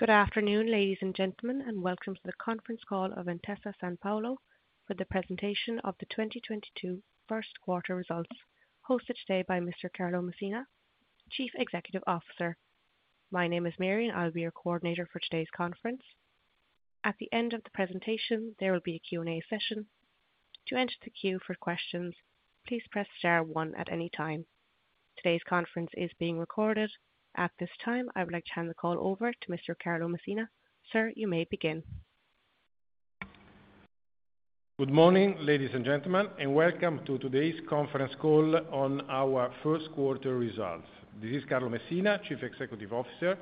Good afternoon, ladies and gentlemen, and welcome to the conference call of Intesa Sanpaolo for the presentation of the 2022 first quarter results, hosted today by Mr. Carlo Messina, Chief Executive Officer. My name is Marion. I'll be your coordinator for today's conference. At the end of the presentation, there will be a Q&A session. To enter the queue for questions, please press star one at any time. Today's conference is being recorded. At this time, I would like to hand the call over to Mr. Carlo Messina. Sir, you may begin. Good morning, ladies and gentlemen, and welcome to today's conference call on our first quarter results. This is Carlo Messina, Chief Executive Officer,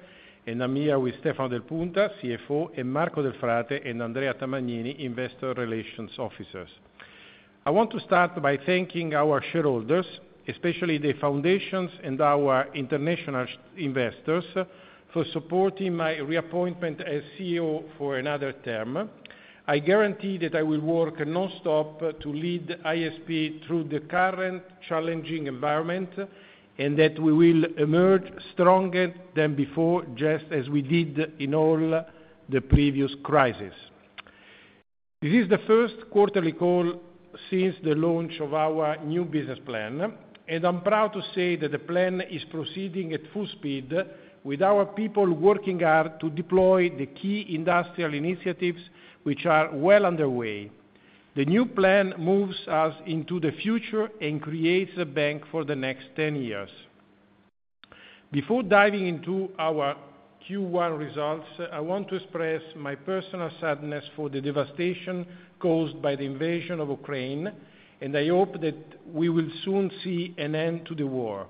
and I'm here with Stefano Del Punta, CFO, and Marco Delfrate and Andrea Tamagnini, Investor Relations Officers. I want to start by thanking our shareholders, especially the foundations and our international investors, for supporting my reappointment as CEO for another term. I guarantee that I will work nonstop to lead ISP through the current challenging environment, and that we will emerge stronger than before, just as we did in all the previous crisis. This is the first quarterly call since the launch of our new business plan, and I'm proud to say that the plan is proceeding at full speed with our people working hard to deploy the key industrial initiatives, which are well underway. The new plan moves us into the future and creates a bank for the next 10 years. Before diving into our Q1 results, I want to express my personal sadness for the devastation caused by the invasion of Ukraine, and I hope that we will soon see an end to the war.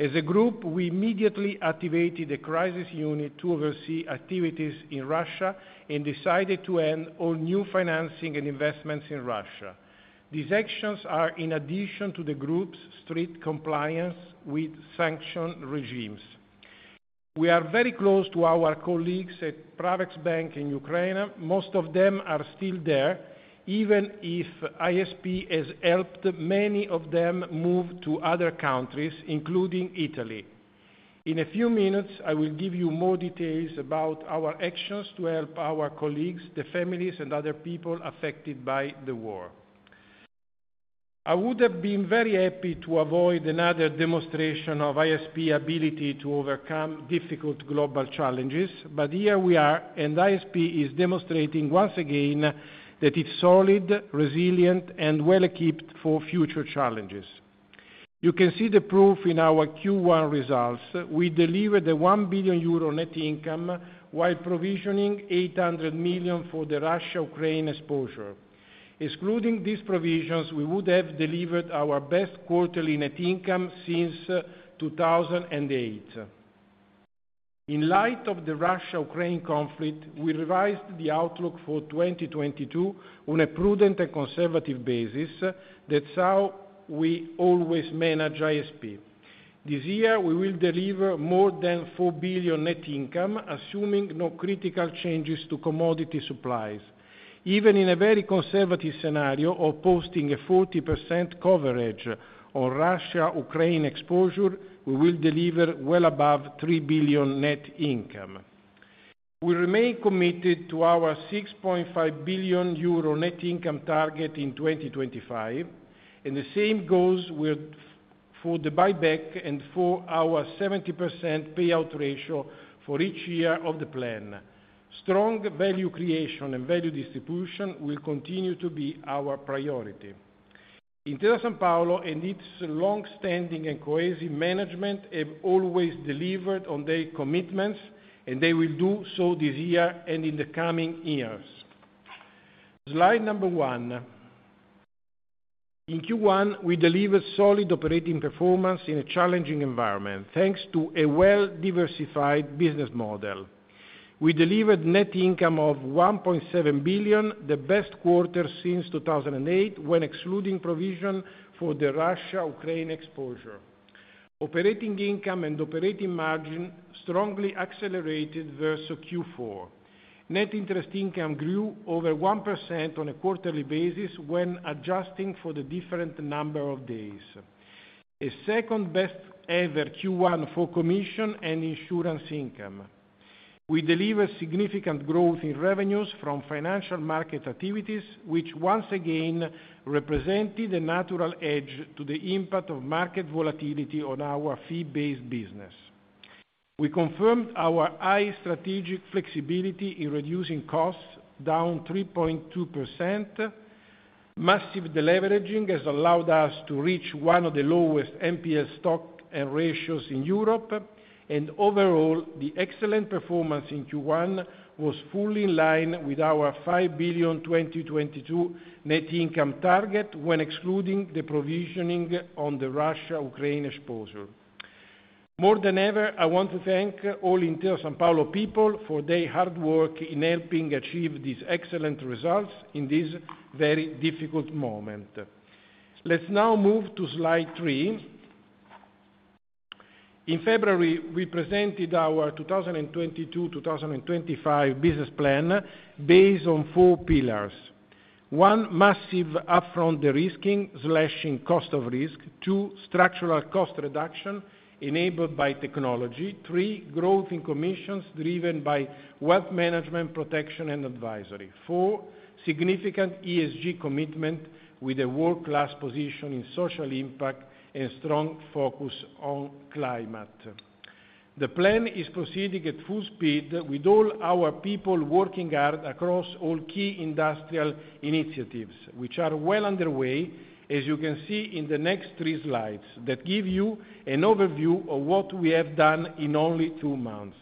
As a group, we immediately activated a crisis unit to oversee activities in Russia and decided to end all new financing and investments in Russia. These actions are in addition to the group's strict compliance with sanction regimes. We are very close to our colleagues at Pravex Bank in Ukraine. Most of them are still there, even if ISP has helped many of them move to other countries, including Italy. In a few minutes, I will give you more details about our actions to help our colleagues, the families, and other people affected by the war. I would have been very happy to avoid another demonstration of ISP ability to overcome difficult global challenges, but here we are, and ISP is demonstrating once again that it's solid, resilient, and well equipped for future challenges. You can see the proof in our Q1 results. We delivered 1 billion euro net income while provisioning 800 million for the Russia-Ukraine exposure. Excluding these provisions, we would have delivered our best quarterly net income since 2008. In light of the Russia-Ukraine conflict, we revised the outlook for 2022 on a prudent and conservative basis. That's how we always manage ISP. This year, we will deliver more than 4 billion net income, assuming no critical changes to commodity supplies. Even in a very conservative scenario of posting 40% coverage on Russia-Ukraine exposure, we will deliver well above 3 billion net income. We remain committed to our 6.5 billion euro net income target in 2025, and the same goes with, for the buyback and for our 70% payout ratio for each year of the plan. Strong value creation and value distribution will continue to be our priority. Intesa Sanpaolo and its long-standing and cohesive management have always delivered on their commitments, and they will do so this year and in the coming years. Slide 1. In Q1, we delivered solid operating performance in a challenging environment, thanks to a well-diversified business model. We delivered net income of 1.7 billion, the best quarter since 2008, when excluding provision for the Russia-Ukraine exposure. Operating income and operating margin strongly accelerated versus Q4. Net interest income grew over 1% on a quarterly basis when adjusting for the different number of days. A second-best-ever Q1 for commission and insurance income. We delivered significant growth in revenues from financial market activities, which once again represented a natural edge to the impact of market volatility on our fee-based business. We confirmed our high strategic flexibility in reducing costs, down 3.2%. Massive deleveraging has allowed us to reach one of the lowest NPL stock ratios in Europe. Overall, the excellent performance in Q1 was fully in line with our 5 billion 2022 net income target when excluding the provisioning on the Russia-Ukraine exposure. More than ever, I want to thank all Intesa Sanpaolo people for their hard work in helping achieve these excellent results in this very difficult moment. Let's now move to Slide 3. In February, we presented our 2022-2025 business plan based on four pillars. One, massive upfront derisking, slashing cost of risk. Two, structural cost reduction enabled by technology. Three, growth in commissions driven by wealth management protection and advisory. Four, significant ESG commitment with a world-class position in social impact and strong focus on climate. The plan is proceeding at full speed with all our people working hard across all key industrial initiatives, which are well underway, as you can see in the next three slides that give you an overview of what we have done in only two months.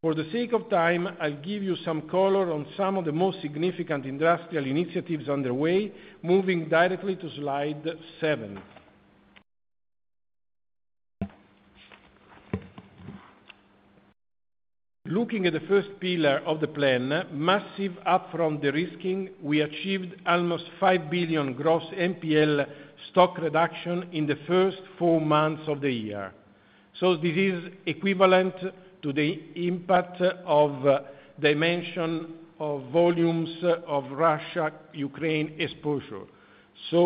For the sake of time, I'll give you some color on some of the most significant industrial initiatives underway, moving directly to Slide 7. Looking at the first pillar of the plan, massive upfront derisking, we achieved almost 5 billion gross NPL stock reduction in the first four months of the year. This is equivalent to the impact of dimension of volumes of Russia-Ukraine exposure.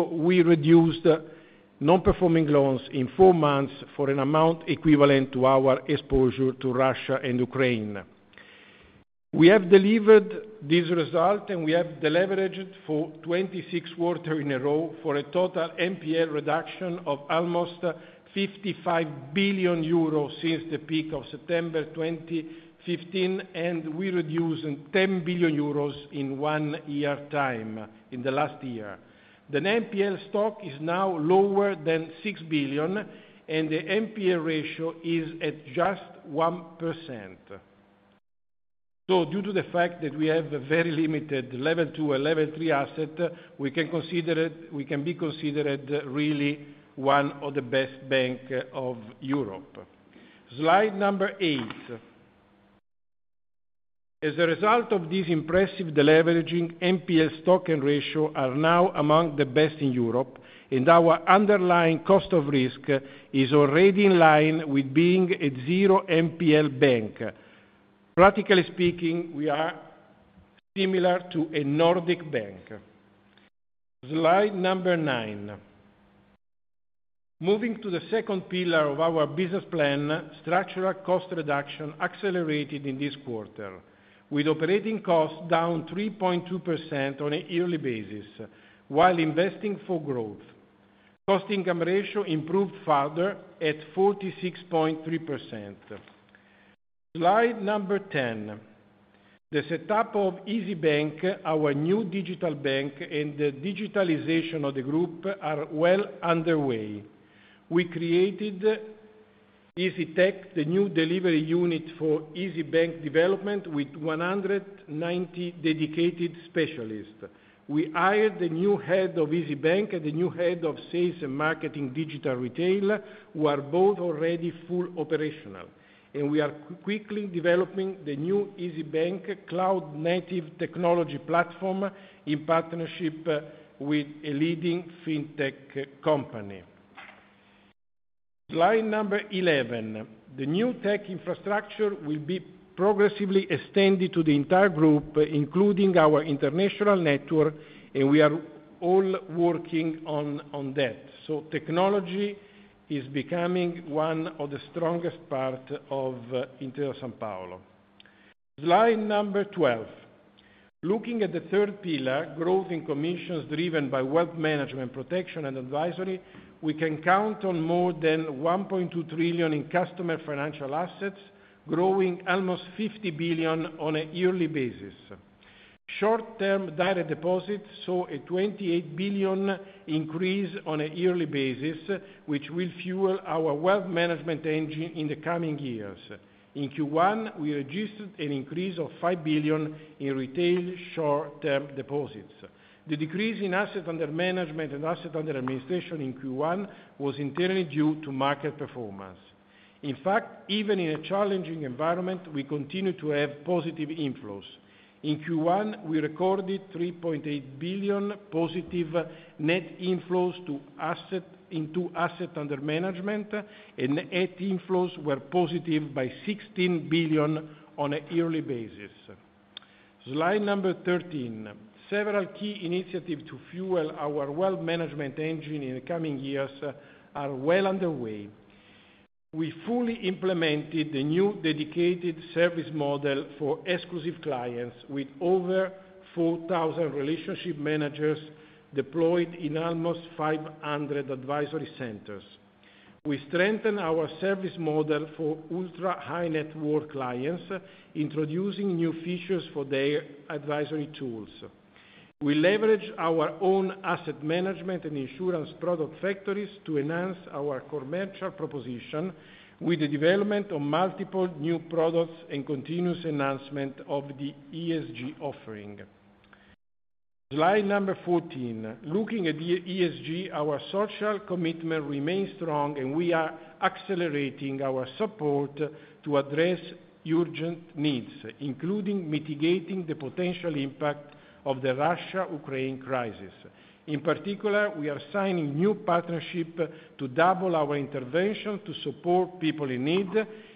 We reduced non-performing loans in four months for an amount equivalent to our exposure to Russia and Ukraine. We have delivered this result, and we have deleveraged for 26 quarters in a row for a total NPL reduction of almost 55 billion euros since the peak of September 2015, and we reduced 10 billion euros in one year time, in the last year. The NPL stock is now lower than 6 billion, and the NPL ratio is at just 1%. Due to the fact that we have a very limited Level 2 and Level 3 asset, we can consider it. We can be considered really one of the best bank of Europe. Slide 8. As a result of this impressive deleveraging, NPL stock and ratio are now among the best in Europe, and our underlying cost of risk is already in line with being a zero NPL bank. Practically speaking, we are similar to a Nordic bank. Slide 9. Moving to the second pillar of our business plan, structural cost reduction accelerated in this quarter, with operating costs down 3.2% on a yearly basis while investing for growth. Cost-income ratio improved further at 46.3%. Slide 10. The setup of isybank, our new digital bank, and the digitalization of the group are well underway. We created isytech, the new delivery unit for isybank development, with 190 dedicated specialists. We hired the new head of isybank and the new head of sales and marketing digital retail, who are both already fully operational, and we are quickly developing the new isybank cloud-native technology platform in partnership with a leading fintech company. Slide 11. The new tech infrastructure will be progressively extended to the entire group, including our international network, and we are all working on that. Technology is becoming one of the strongest part of Intesa Sanpaolo. Slide 12. Looking at the third pillar, growth in commissions driven by wealth management protection and advisory, we can count on more than 1.2 trillion in customer financial assets, growing almost 50 billion on a yearly basis. Short-term direct deposits saw a 28 billion increase on a yearly basis, which will fuel our wealth management engine in the coming years. In Q1, we registered an increase of 5 billion in retail short-term deposits. The decrease in assets under management and assets under administration in Q1 was entirely due to market performance. In fact, even in a challenging environment, we continue to have positive inflows. In Q1, we recorded 3.8 billion positive net inflows into assets under management, and net inflows were positive by 16 billion on a yearly basis. Slide 13. Several key initiatives to fuel our wealth management engine in the coming years are well underway. We fully implemented the new dedicated service model for exclusive clients with over 4,000 relationship managers deployed in almost 500 advisory centers. We strengthen our service model for ultra-high-net-worth clients, introducing new features for their advisory tools. We leverage our own asset management and insurance product factories to enhance our commercial proposition with the development of multiple new products and continuous enhancement of the ESG offering. Slide 14. Looking at the ESG, our social commitment remains strong, and we are accelerating our support to address urgent needs, including mitigating the potential impact of the Russia-Ukraine crisis. In particular, we are signing new partnerships to double our intervention to support people in need,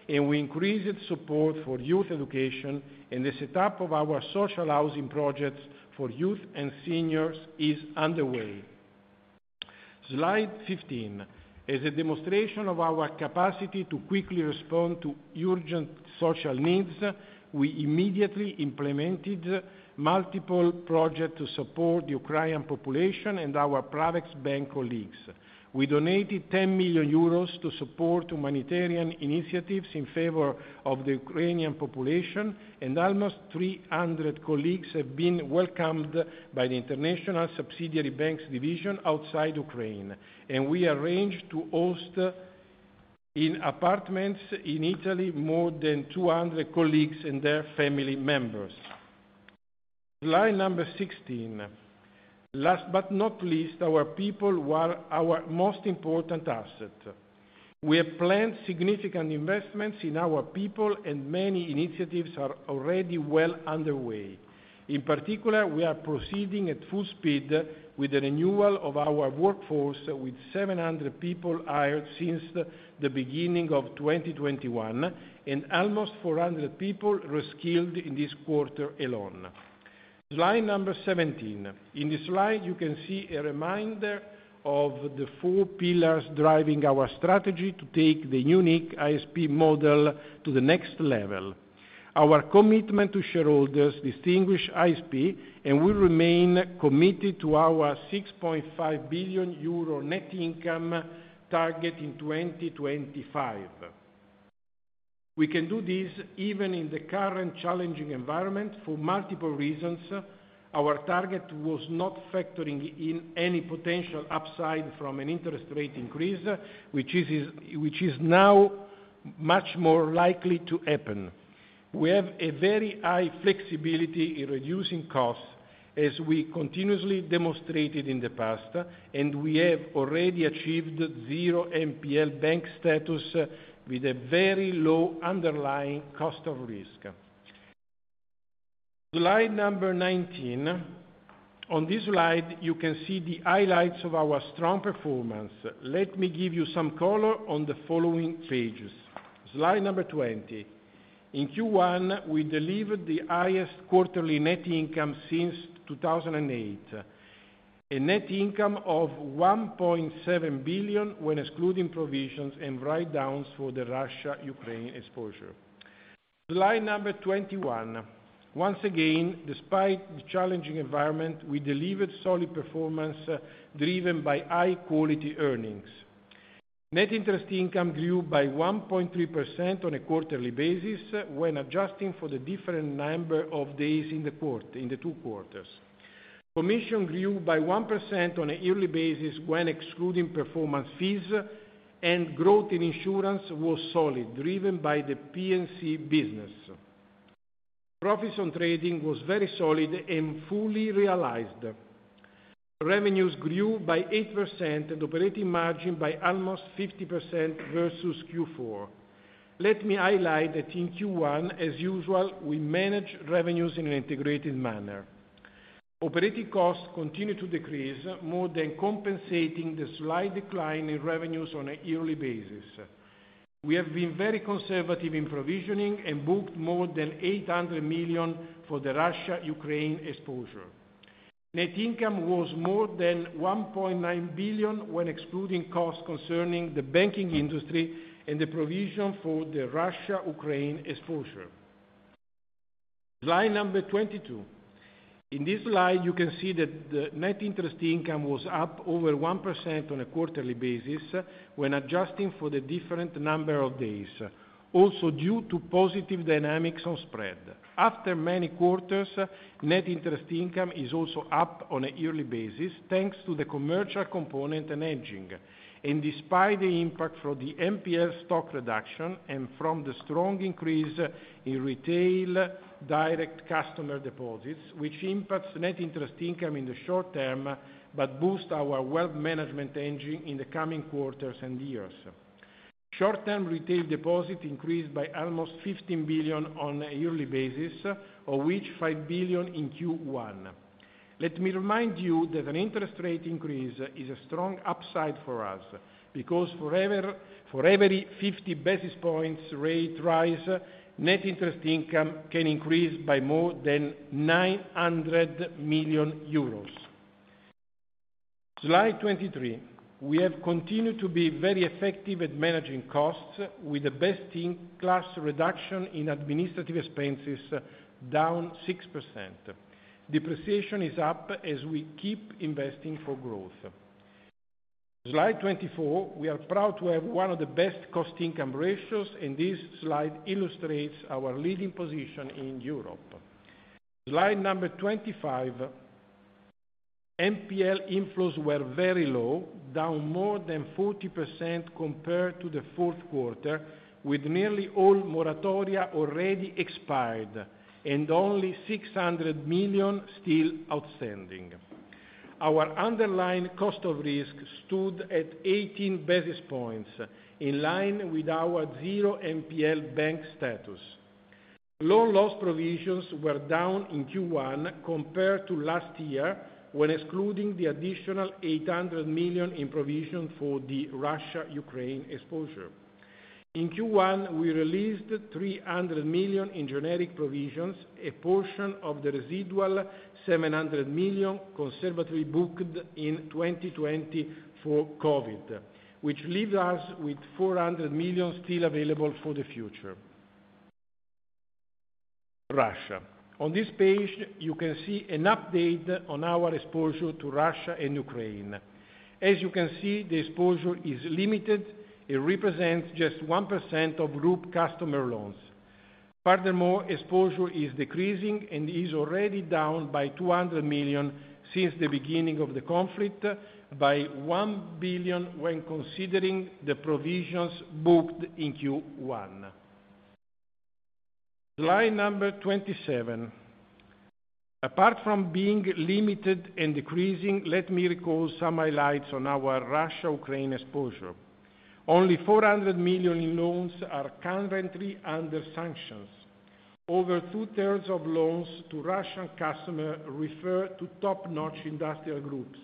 and we increased support for youth education, and the setup of our social housing projects for youth and seniors is underway. Slide 15. As a demonstration of our capacity to quickly respond to urgent social needs, we immediately implemented multiple projects to support the Ukrainian population and our Pravex Bank colleagues. We donated 10 million euros to support humanitarian initiatives in favor of the Ukrainian population, and almost 300 colleagues have been welcomed by the international subsidiary banks division outside Ukraine. We arranged to host, in apartments in Italy, more than 200 colleagues and their family members. Slide number 16. Last but not least, our people were our most important asset. We have planned significant investments in our people, and many initiatives are already well underway. In particular, we are proceeding at full speed with the renewal of our workforce, with 700 people hired since the beginning of 2021, and almost 400 people reskilled in this quarter alone. Slide number 17. In this slide, you can see a reminder of the four pillars driving our strategy to take the unique ISP model to the next level. Our commitment to shareholders distinguish ISP, and we remain committed to our 6.5 billion euro net income target in 2025. We can do this even in the current challenging environment for multiple reasons. Our target was not factoring in any potential upside from an interest rate increase, which is now much more likely to happen. We have a very high flexibility in reducing costs, as we continuously demonstrated in the past, and we have already achieved zero NPL bank status with a very low underlying cost of risk. Slide 19. On this slide, you can see the highlights of our strong performance. Let me give you some color on the following pages. Slide 20. In Q1, we delivered the highest quarterly net income since 2008. A net income of 1.7 billion when excluding provisions and write-downs for the Russia-Ukraine exposure. Slide number 21. Once again, despite the challenging environment, we delivered solid performance driven by high-quality earnings. Net interest income grew by 1.3% on a quarterly basis when adjusting for the different number of days in the two quarters. Commission grew by 1% on a yearly basis when excluding performance fees, and growth in insurance was solid, driven by the P&C business. Profits on trading was very solid and fully realized. Revenues grew by 8% and operating margin by almost 50% versus Q4. Let me highlight that in Q1, as usual, we manage revenues in an integrated manner. Operating costs continue to decrease, more than compensating the slight decline in revenues on a yearly basis. We have been very conservative in provisioning and booked more than 800 million for the Russia-Ukraine exposure. Net income was more than 1.9 billion when excluding costs concerning the banking industry and the provision for the Russia-Ukraine exposure. Slide 22. In this slide, you can see that the net interest income was up over 1% on a quarterly basis when adjusting for the different number of days, also due to positive dynamics on spread. After many quarters, net interest income is also up on a yearly basis, thanks to the commercial component and aging, and despite the impact for the NPL stock reduction and from the strong increase in retail direct customer deposits, which impacts net interest income in the short-term but boost our wealth management engine in the coming quarters and years. Short-term retail deposit increased by almost 15 billion on a yearly basis, of which 5 billion in Q1. Let me remind you that an interest rate increase is a strong upside for us because for every 50 basis points rate rise, net interest income can increase by more than 900 million euros. Slide 23. We have continued to be very effective at managing costs with the best-in-class reduction in administrative expenses, down 6%. Depreciation is up as we keep investing for growth. Slide 24. We are proud to have one of the best cost-income ratios, and this slide illustrates our leading position in Europe. Slide 25. NPL inflows were very low, down more than 40% compared to the fourth quarter, with nearly all moratoria already expired and only 600 million still outstanding. Our underlying cost of risk stood at 18 basis points, in line with our zero NPL bank status. Loan loss provisions were down in Q1 compared to last year when excluding the additional 800 million in provision for the Russia-Ukraine exposure. In Q1, we released 300 million in generic provisions, a portion of the residual 700 million conservatively booked in 2020 for COVID, which leaves us with 400 million still available for the future. Russia. On this page, you can see an update on our exposure to Russia and Ukraine. As you can see, the exposure is limited. It represents just 1% of group customer loans. Furthermore, exposure is decreasing, and is already down by 200 million since the beginning of the conflict, by 1 billion when considering the provisions booked in Q1. Slide number 27. Apart from being limited and decreasing, let me recall some highlights on our Russia-Ukraine exposure. Only 400 million in loans are currently under sanctions. Over 2/3 of loans to Russian customers refer to top-notch industrial groups,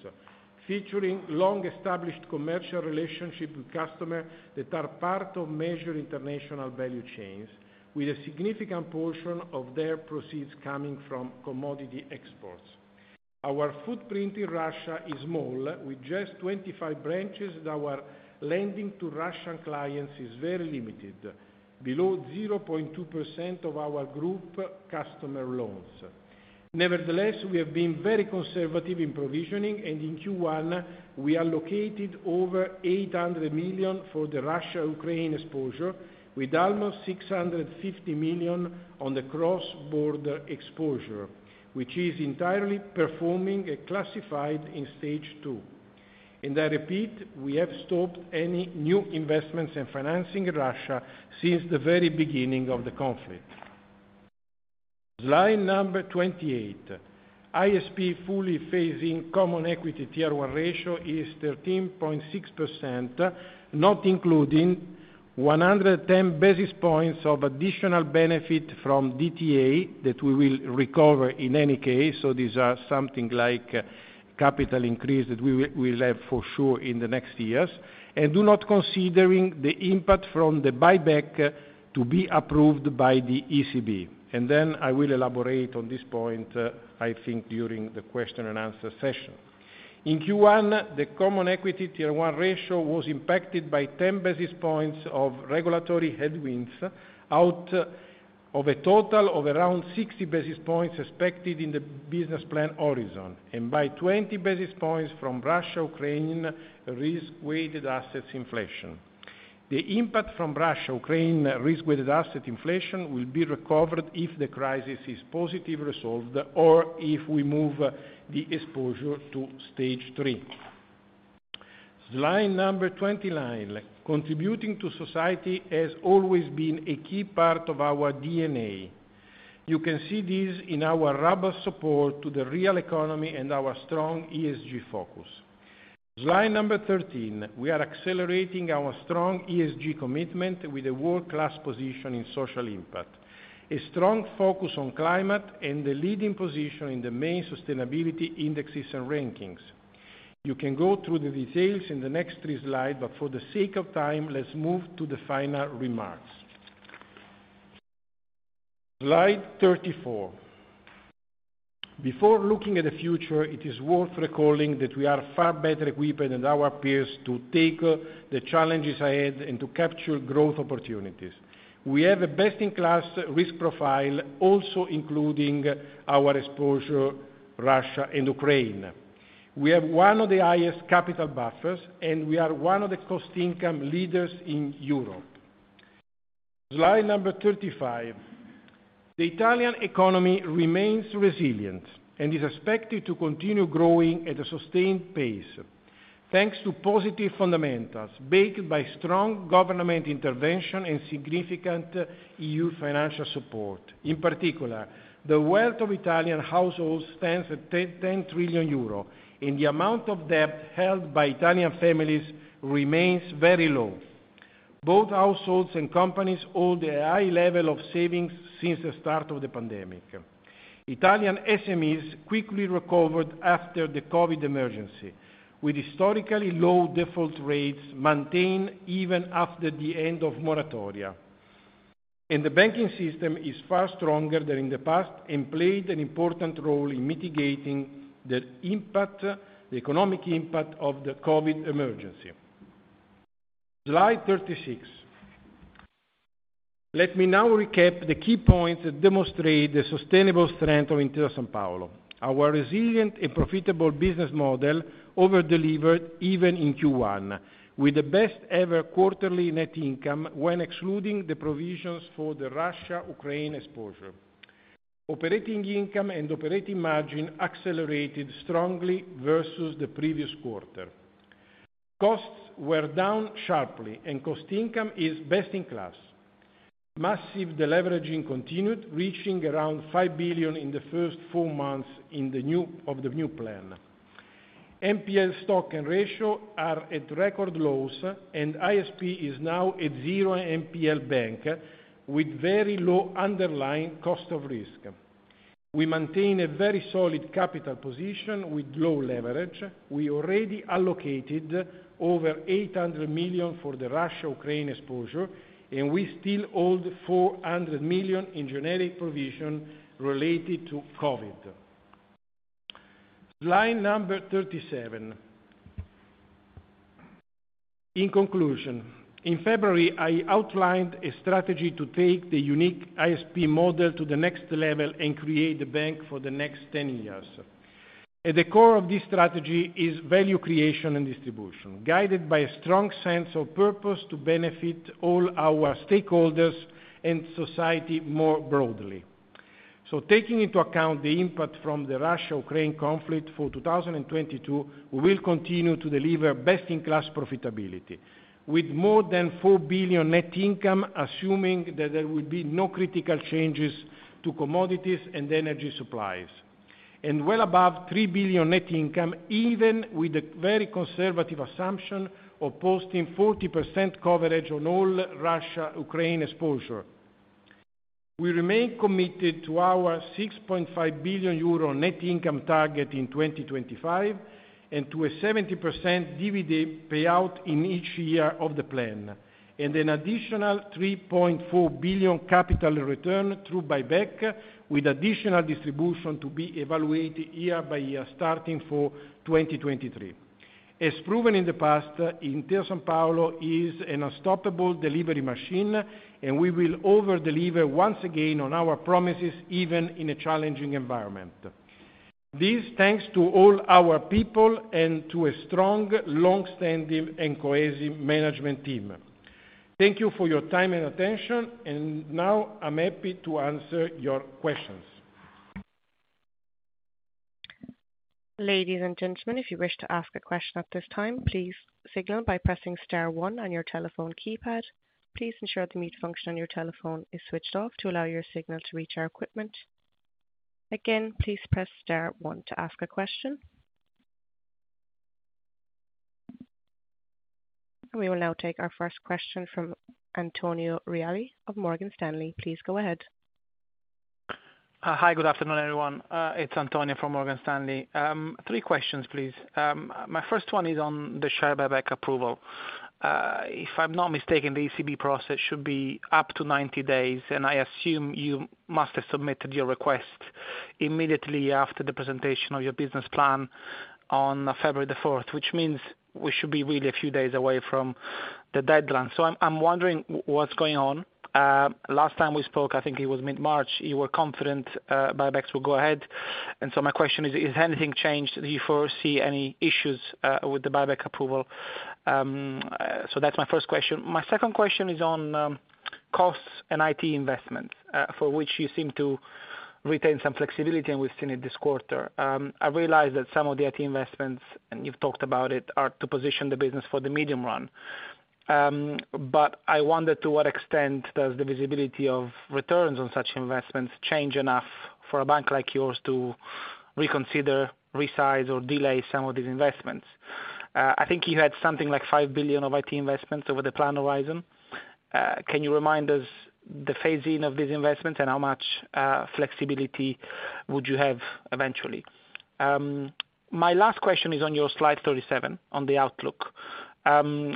featuring long-established commercial relationships with customers that are part of major international value chains, with a significant portion of their proceeds coming from commodity exports. Our footprint in Russia is small, with just 25 branches, and our lending to Russian clients is very limited, below 0.2% of our group customer loans. Nevertheless, we have been very conservative in provisioning, and in Q1, we allocated over 800 million for the Russia-Ukraine exposure, with almost 650 million on the cross-border exposure, which is entirely performing and classified in Stage 2. I repeat, we have stopped any new investments in financing Russia since the very beginning of the conflict. Slide number 28. ISP's fully phased Common Equity Tier 1 ratio is 13.6%, not including 110 basis points of additional benefit from DTA that we will recover in any case. These are something like capital increase that we will have for sure in the next years. Without considering the impact from the buyback to be approved by the ECB. I will elaborate on this point, I think, during the question and answer session. In Q1, the Common Equity Tier 1 ratio was impacted by 10 basis points of regulatory headwinds out of a total of around 60 basis points expected in the business plan horizon, and by 20 basis points from Russia-Ukraine risk-weighted assets inflation. The impact from Russia-Ukraine risk-weighted asset inflation will be recovered if the crisis is positively resolved or if we move the exposure to Stage 3. Slide number 29. Contributing to society has always been a key part of our DNA. You can see this in our robust support to the real economy and our strong ESG focus. Slide number 13, we are accelerating our strong ESG commitment with a world-class position in social impact, a strong focus on climate, and a leading position in the main sustainability indexes and rankings. You can go through the details in the next three slides, but for the sake of time, let's move to the final remarks. Slide 34. Before looking at the future, it is worth recalling that we are far better equipped than our peers to take the challenges ahead and to capture growth opportunities. We have a best-in-class risk profile, also including our exposure to Russia and Ukraine. We have one of the highest capital buffers, and we are one of the cost-income leaders in Europe. Slide 35. The Italian economy remains resilient and is expected to continue growing at a sustained pace, thanks to positive fundamentals backed by strong government intervention and significant EU financial support. In particular, the wealth of Italian households stands at 10 trillion euro, and the amount of debt held by Italian families remains very low. Both households and companies hold a high level of savings since the start of the pandemic. Italian SMEs quickly recovered after the COVID emergency, with historically low default rates maintained even after the end of moratoria. The banking system is far stronger than in the past and played an important role in mitigating the impact, the economic impact of the COVID emergency. Slide 36. Let me now recap the key points that demonstrate the sustainable strength of Intesa Sanpaolo. Our resilient and profitable business model over-delivered even in Q1, with the best ever quarterly net income when excluding the provisions for the Russia-Ukraine exposure. Operating income and operating margin accelerated strongly versus the previous quarter. Costs were down sharply and cost income is best in class. Massive deleveraging continued, reaching around 5 billion in the first four months of the new plan. NPL stock and ratio are at record lows, and ISP is now a zero NPL bank with very low underlying cost of risk. We maintain a very solid capital position with low leverage. We already allocated over 800 million for the Russia-Ukraine exposure, and we still hold 400 million in generic provision related to COVID. Slide number 37. In conclusion, in February, I outlined a strategy to take the unique ISP model to the next level and create a bank for the next 10 years. At the core of this strategy is value creation and distribution, guided by a strong sense of purpose to benefit all our stakeholders and society more broadly. Taking into account the input from the Russia-Ukraine conflict for 2022, we will continue to deliver best-in-class profitability with more than 4 billion net income, assuming that there will be no critical changes to commodities and energy supplies. Well above 3 billion net income, even with a very conservative assumption of posting 40% coverage on all Russia-Ukraine exposure. We remain committed to our 6.5 billion euro net income target in 2025, and to a 70% dividend payout in each year of the plan, and an additional 3.4 billion capital return through buyback, with additional distribution to be evaluated year-by-year, starting for 2023. As proven in the past, Intesa Sanpaolo is an unstoppable delivery machine, and we will over-deliver once again on our promises, even in a challenging environment. This thanks to all our people and to a strong, long-standing, and cohesive management team. Thank you for your time and attention, and now I'm happy to answer your questions. Ladies and gentlemen, if you wish to ask a question at this time, please signal by pressing star one on your telephone keypad. Please ensure the mute function on your telephone is switched off to allow your signal to reach our equipment. Again, please press star one to ask a question. We will now take our first question from Antonio Reale of Morgan Stanley. Please go ahead. Hi, good afternoon, everyone. It's Antonio from Morgan Stanley. Three questions, please. My first one is on the share buyback approval. If I'm not mistaken, the ECB process should be up to 90 days, and I assume you must have submitted your request immediately after the presentation of your business plan on February the 4th, which means we should be really a few days away from the deadline. I'm wondering what's going on. Last time we spoke, I think it was mid-March, you were confident buybacks will go ahead. My question is, has anything changed? Do you foresee any issues with the buyback approval? That's my first question. My second question is on costs and IT investments for which you seem to retain some flexibility, and we've seen it this quarter. I realize that some of the IT investments, and you've talked about it, are to position the business for the medium run. I wonder to what extent does the visibility of returns on such investments change enough for a bank like yours to reconsider, resize, or delay some of these investments? I think you had something like 5 billion of IT investments over the plan horizon. Can you remind us the phase-in of these investments, and how much flexibility would you have eventually? My last question is on your Slide 37 on the outlook.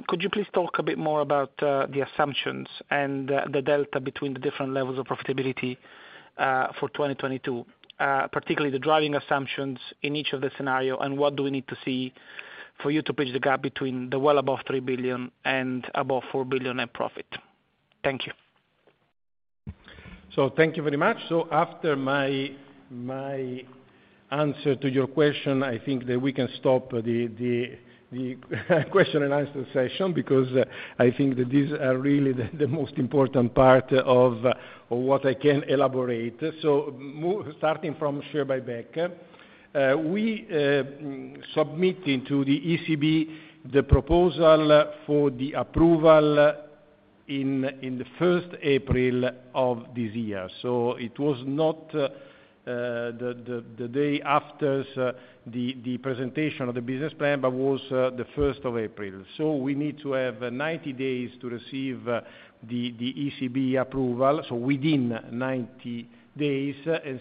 Could you please talk a bit more about the assumptions and the delta between the different levels of profitability for 2022, particularly the driving assumptions in each of the scenario, and what do we need to see for you to bridge the gap between the well above 3 billion and above 4 billion net profit? Thank you. Thank you very much. After my answer to your question, I think that we can stop the question and answer session, because I think that these are really the most important part of what I can elaborate. Starting from share buyback, we submitted to the ECB the proposal for the approval in the 1st of April of this year. It was not the day after the presentation of the business plan, but was the 1st of April. We need to have 90 days to receive the ECB approval, so within 90 days.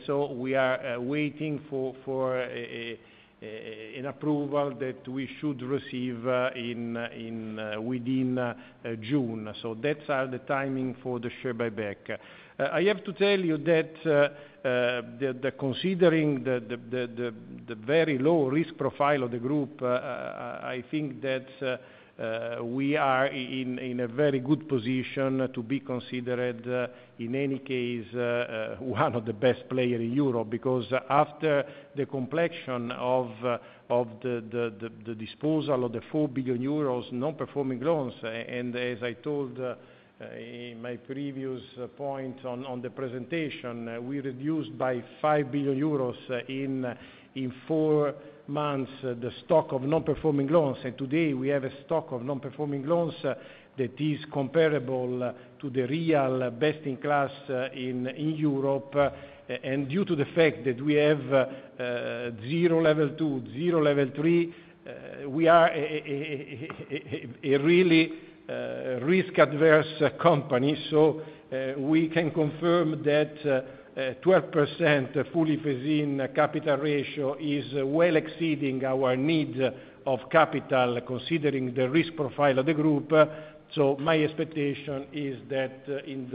We are waiting for an approval that we should receive within June. That's the timing for the share buyback. I have to tell you that that considering the very low risk profile of the group, I think that we are in a very good position to be considered in any case one of the best player in Europe. Because after the completion of the disposal of 4 billion euros non-performing loans, and as I told in my previous point on the presentation, we reduced by 5 billion euros in four months the stock of non-performing loans. Today we have a stock of non-performing loans that is comparable to the real best-in-class in Europe. Due to the fact that we have zero Level 2, zero Level 3. We are a really risk-averse company, so we can confirm that 12% fully phased-in capital ratio is well exceeding our need of capital considering the risk profile of the group. My expectation is that in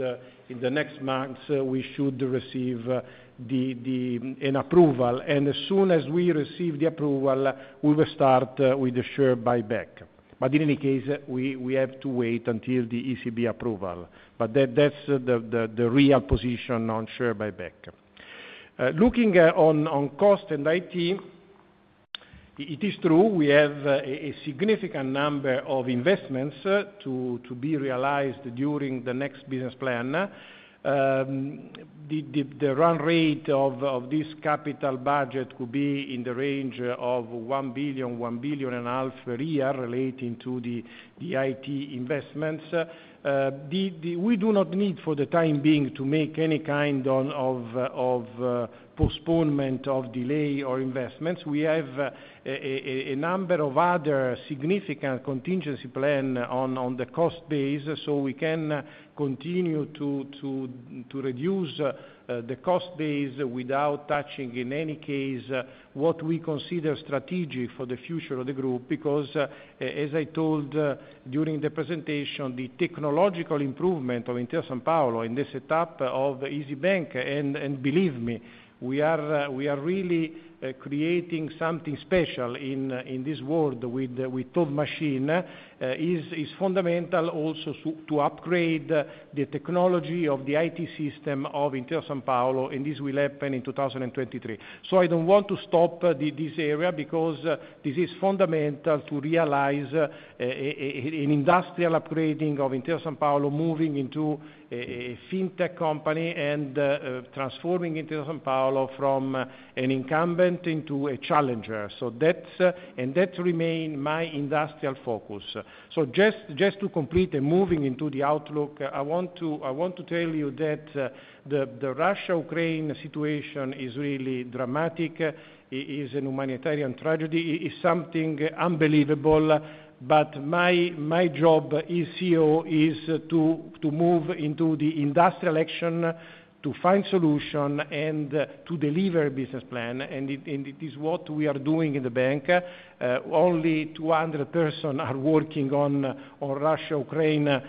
the next months, we should receive an approval. As soon as we receive the approval, we will start with the share buyback. In any case, we have to wait until the ECB approval. That's the real position on share buyback. Looking at costs and IT, it is true we have a significant number of investments to be realized during the next business plan. The run rate of this capital budget could be in the range of 1 billion and half per year relating to the IT investments. We do not need for the time being to make any kind of postponement or delay of investments. We have a number of other significant contingency plan on the cost base, so we can continue to reduce the cost base without touching in any case what we consider strategic for the future of the group. Because as I told during the presentation, the technological improvement of Intesa Sanpaolo in the setup of isybank, and believe me, we are really creating something special in this world with Thought Machine, is fundamental also to upgrade the technology of the IT system of Intesa Sanpaolo, and this will happen in 2023. I don't want to stop this area because this is fundamental to realize an industrial upgrading of Intesa Sanpaolo moving into a fintech company and transforming Intesa Sanpaolo from an incumbent into a challenger. That's my industrial focus. That remain my industrial focus. Just to complete and moving into the outlook, I want to tell you that the Russia-Ukraine situation is really dramatic. It is a humanitarian tragedy. It is something unbelievable. My job as CEO is to move into the industrial action to find solution and to deliver business plan, and it is what we are doing in the bank. Only 200 people are working on Russia-Ukraine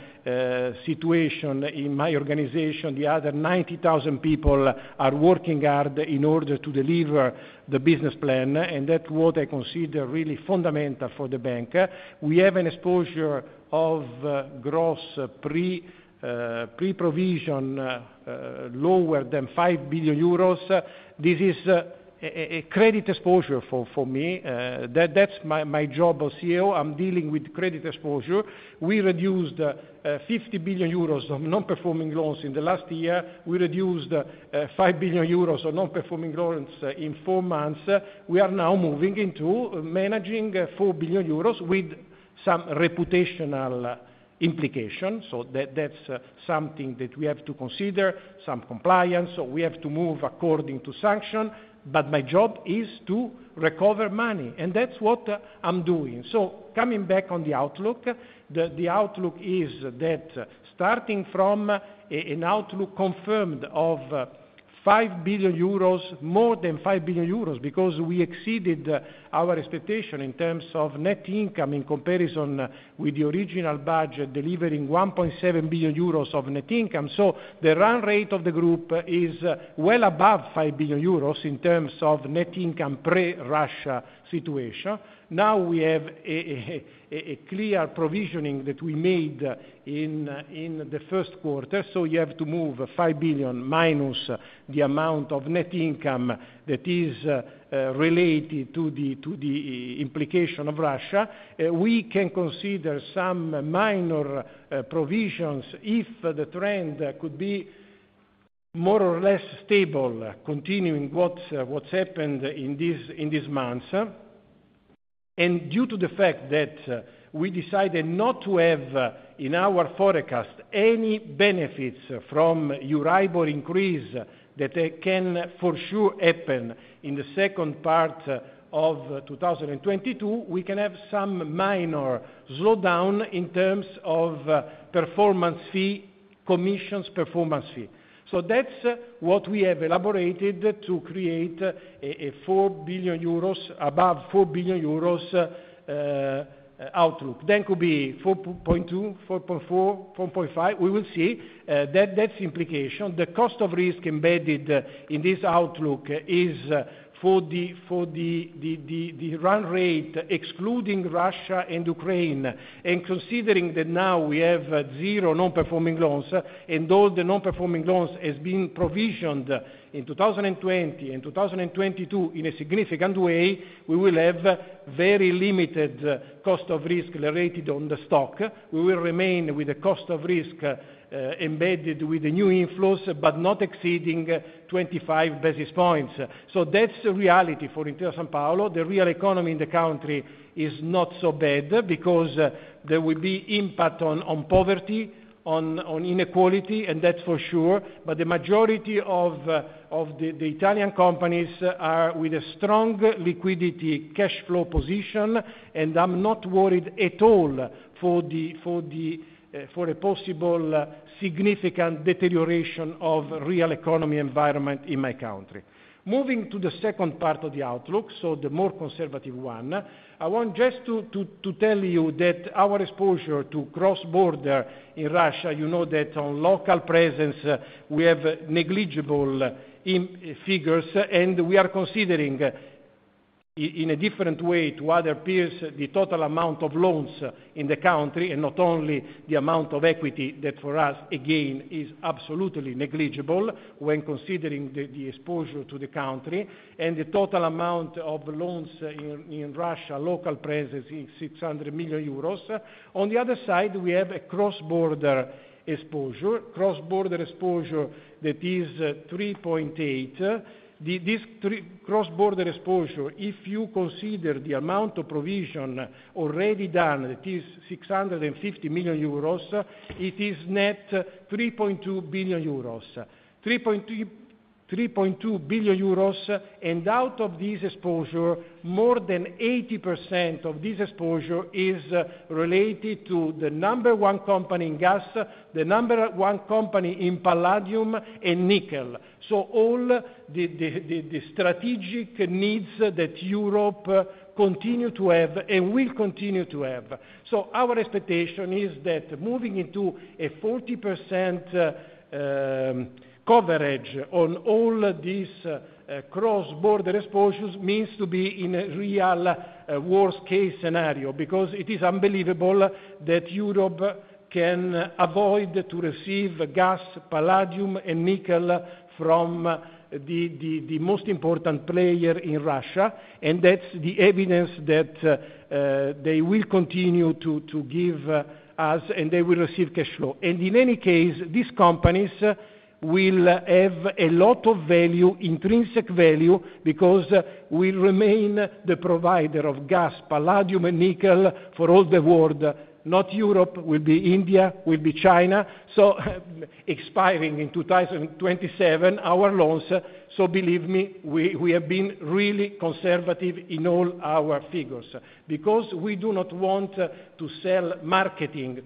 situation in my organization. The other 90,000 people are working hard in order to deliver the business plan, and that's what I consider really fundamental for the bank. We have an exposure of gross pre-provision lower than 5 billion euros. This is a credit exposure for me. That's my job as CEO. I'm dealing with credit exposure. We reduced 50 billion euros of non-performing loans in the last year. We reduced 5 billion euros of non-performing loans in four months. We are now moving into managing 4 billion euros with some reputational implication. That's something that we have to consider, some compliance, so we have to move according to sanctions. My job is to recover money, and that's what I'm doing. Coming back on the outlook, the outlook is that starting from an outlook confirmed of 5 billion euros, more than 5 billion euros, because we exceeded our expectation in terms of net income in comparison with the original budget, delivering 1.7 billion euros of net income. The run rate of the group is well above 5 billion euros in terms of net income pre-Russia situation. Now we have a clear provisioning that we made in the first quarter, so you have to move 5 billion minus the amount of net income that is related to the implication of Russia. We can consider some minor provisions if the trend could be more or less stable, continuing what's happened in this months. Due to the fact that we decided not to have, in our forecast, any benefits from EURIBOR increase that can for sure happen in the second part of 2022, we can have some minor slowdown in terms of performance fee, commissions performance fee. That's what we have elaborated to create a 4 billion euros, above 4 billion euros outlook. That could be 4.2 billion, 4.4 billion, 4.5 billion, we will see. That's implication. The cost of risk embedded in this outlook is for the run rate excluding Russia and Ukraine, and considering that now we have zero non-performing loans, and all the non-performing loans has been provisioned in 2020 and 2022 in a significant way, we will have very limited cost of risk related on the stock. We will remain with the cost of risk embedded with the new inflows, but not exceeding 25 basis points. That's the reality for Intesa Sanpaolo. The real economy in the country is not so bad because there will be impact on poverty, on inequality, and that's for sure. The majority of the Italian companies are with a strong liquidity cash flow position, and I'm not worried at all for a possible significant deterioration of real economy environment in my country. Moving to the second part of the outlook, the more conservative one, I want just to tell you that our exposure to cross-border in Russia, you know that on local presence we have negligible figures, and we are considering in a different way to other peers, the total amount of loans in the country, and not only the amount of equity that for us, again, is absolutely negligible when considering the exposure to the country, and the total amount of loans in Russia local presence is 600 million euros. On the other side, we have a cross-border exposure that is 3.8. This three cross-border exposure, if you consider the amount of provision already done, it is 650 million euros, it is net 3.2 billion euros. 3.2 billion euros, and out of this exposure, more than 80% of this exposure is related to the Number 1 company in gas, the Number 1 company in palladium and nickel. All the strategic needs that Europe continue to have and will continue to have. Our expectation is that moving into a 40% coverage on all these cross-border exposures means to be in a real worst case scenario, because it is unbelievable that Europe can avoid to receive gas, palladium and nickel from the most important player in Russia. That's the evidence that they will continue to give us, and they will receive cash flow. In any case, these companies will have a lot of value, intrinsic value, because we remain the provider of gas, palladium and nickel for all the world. Not Europe, will be India, will be China. Expiring in 2027, our loans. Believe me, we have been really conservative in all our figures. Because we do not want to sell smoke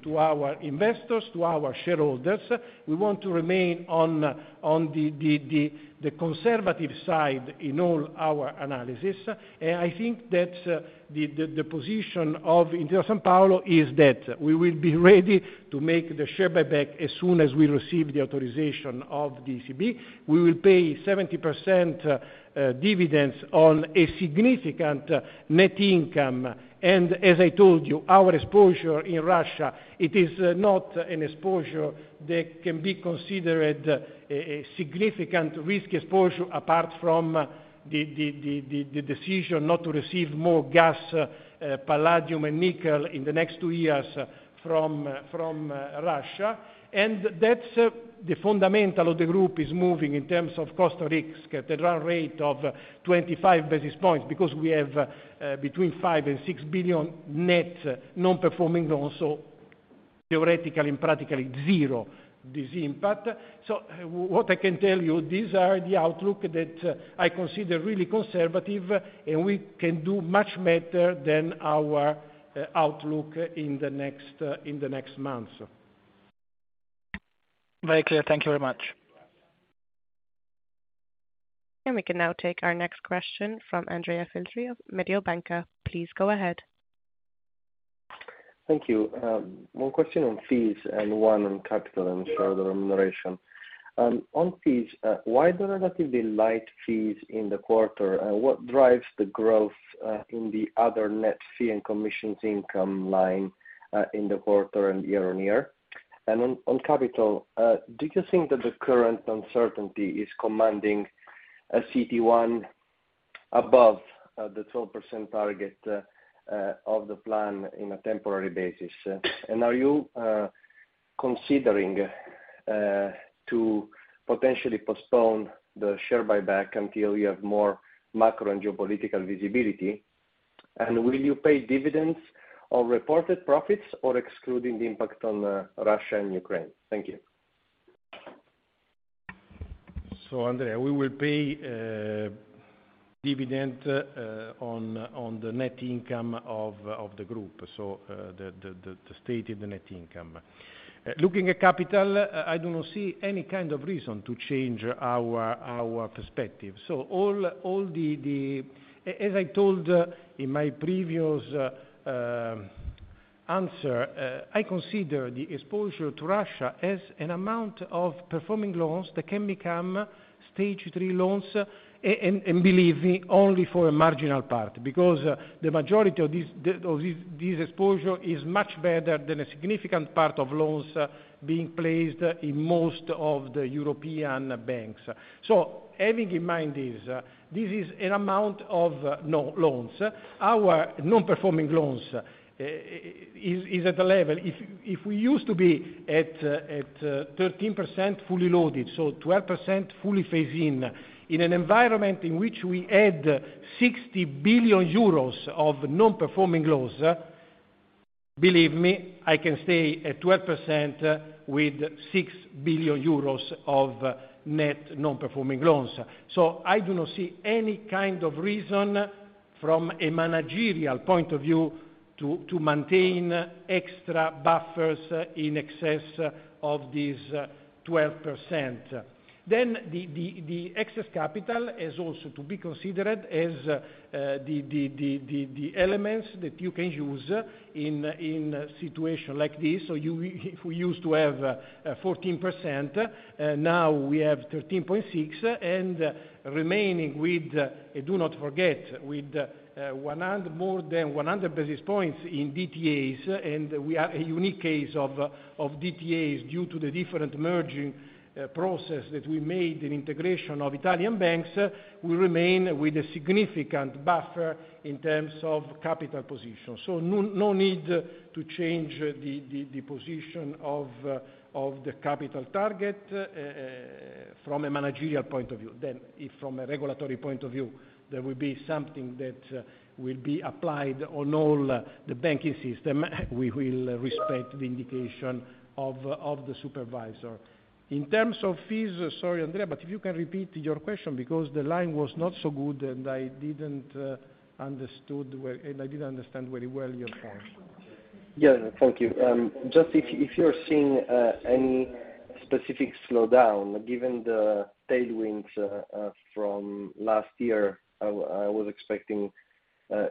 to our investors, to our shareholders. We want to remain on the conservative side in all our analysis. I think that the position of Intesa Sanpaolo is that we will be ready to make the share buyback as soon as we receive the authorization of the ECB. We will pay 70% dividends on a significant net income. As I told you, our exposure in Russia, it is not an exposure that can be considered a significant risk exposure apart from the decision not to receive more gas, palladium and nickel in the next two years from Russia. That's the fundamental of the group is moving in terms of cost of risk at a run rate of 25 basis points, because we have between 5 billion and 6 billion net non-performing loans, so theoretically and practically zero this impact. What I can tell you, these are the outlook that I consider really conservative, and we can do much better than our outlook in the next months. Very clear. Thank you very much. We can now take our next question from Andrea Filtri of Mediobanca. Please go ahead. Thank you. One question on fees and one on capital and shareholder remuneration. On fees, why the relatively light fees in the quarter? What drives the growth in the other net fee and commissions income line in the quarter and year-on-year? On capital, do you think that the current uncertainty is commanding a CET1 above the 12% target of the plan on a temporary basis? Are you considering to potentially postpone the share buyback until you have more macro and geopolitical visibility? Will you pay dividends on reported profits or excluding the impact on Russia and Ukraine? Thank you. Andrea, we will pay dividend on the net income of the group, the stated net income. Looking at capital, I do not see any kind of reason to change our perspective. As I told in my previous answer, I consider the exposure to Russia as an amount of performing loans that can become Stage 3 loans and believing only for a marginal part. Because the majority of this exposure is much better than a significant part of loans being placed in most of the European banks. Having in mind this is an amount of NPLs. Our non-performing loans is at the level. If we used to be at 13% fully loaded, so 12% fully phased in an environment in which we add 60 billion euros of non-performing loans, believe me, I can stay at 12% with 6 billion euros of net non-performing loans. I do not see any kind of reason. From a managerial point of view, to maintain extra buffers in excess of this 12%. The excess capital is also to be considered as the elements that you can use in a situation like this. You. If we used to have 14%, now we have 13.6%, and remaining with, do not forget, with more than 100 basis points in DTAs, and we are a unique case of DTAs due to the different merging process that we made in integration of Italian banks, we remain with a significant buffer in terms of capital position. No need to change the position of the capital target from a managerial point of view. If from a regulatory point of view, there will be something that will be applied on all the banking system, we will respect the indication of the supervisor. In terms of fees, sorry, Andrea, but if you can repeat your question because the line was not so good, and I didn't understand where. I didn't understand very well your point. Yeah, thank you. Just if you're seeing any specific slowdown, given the tailwinds from last year, I was expecting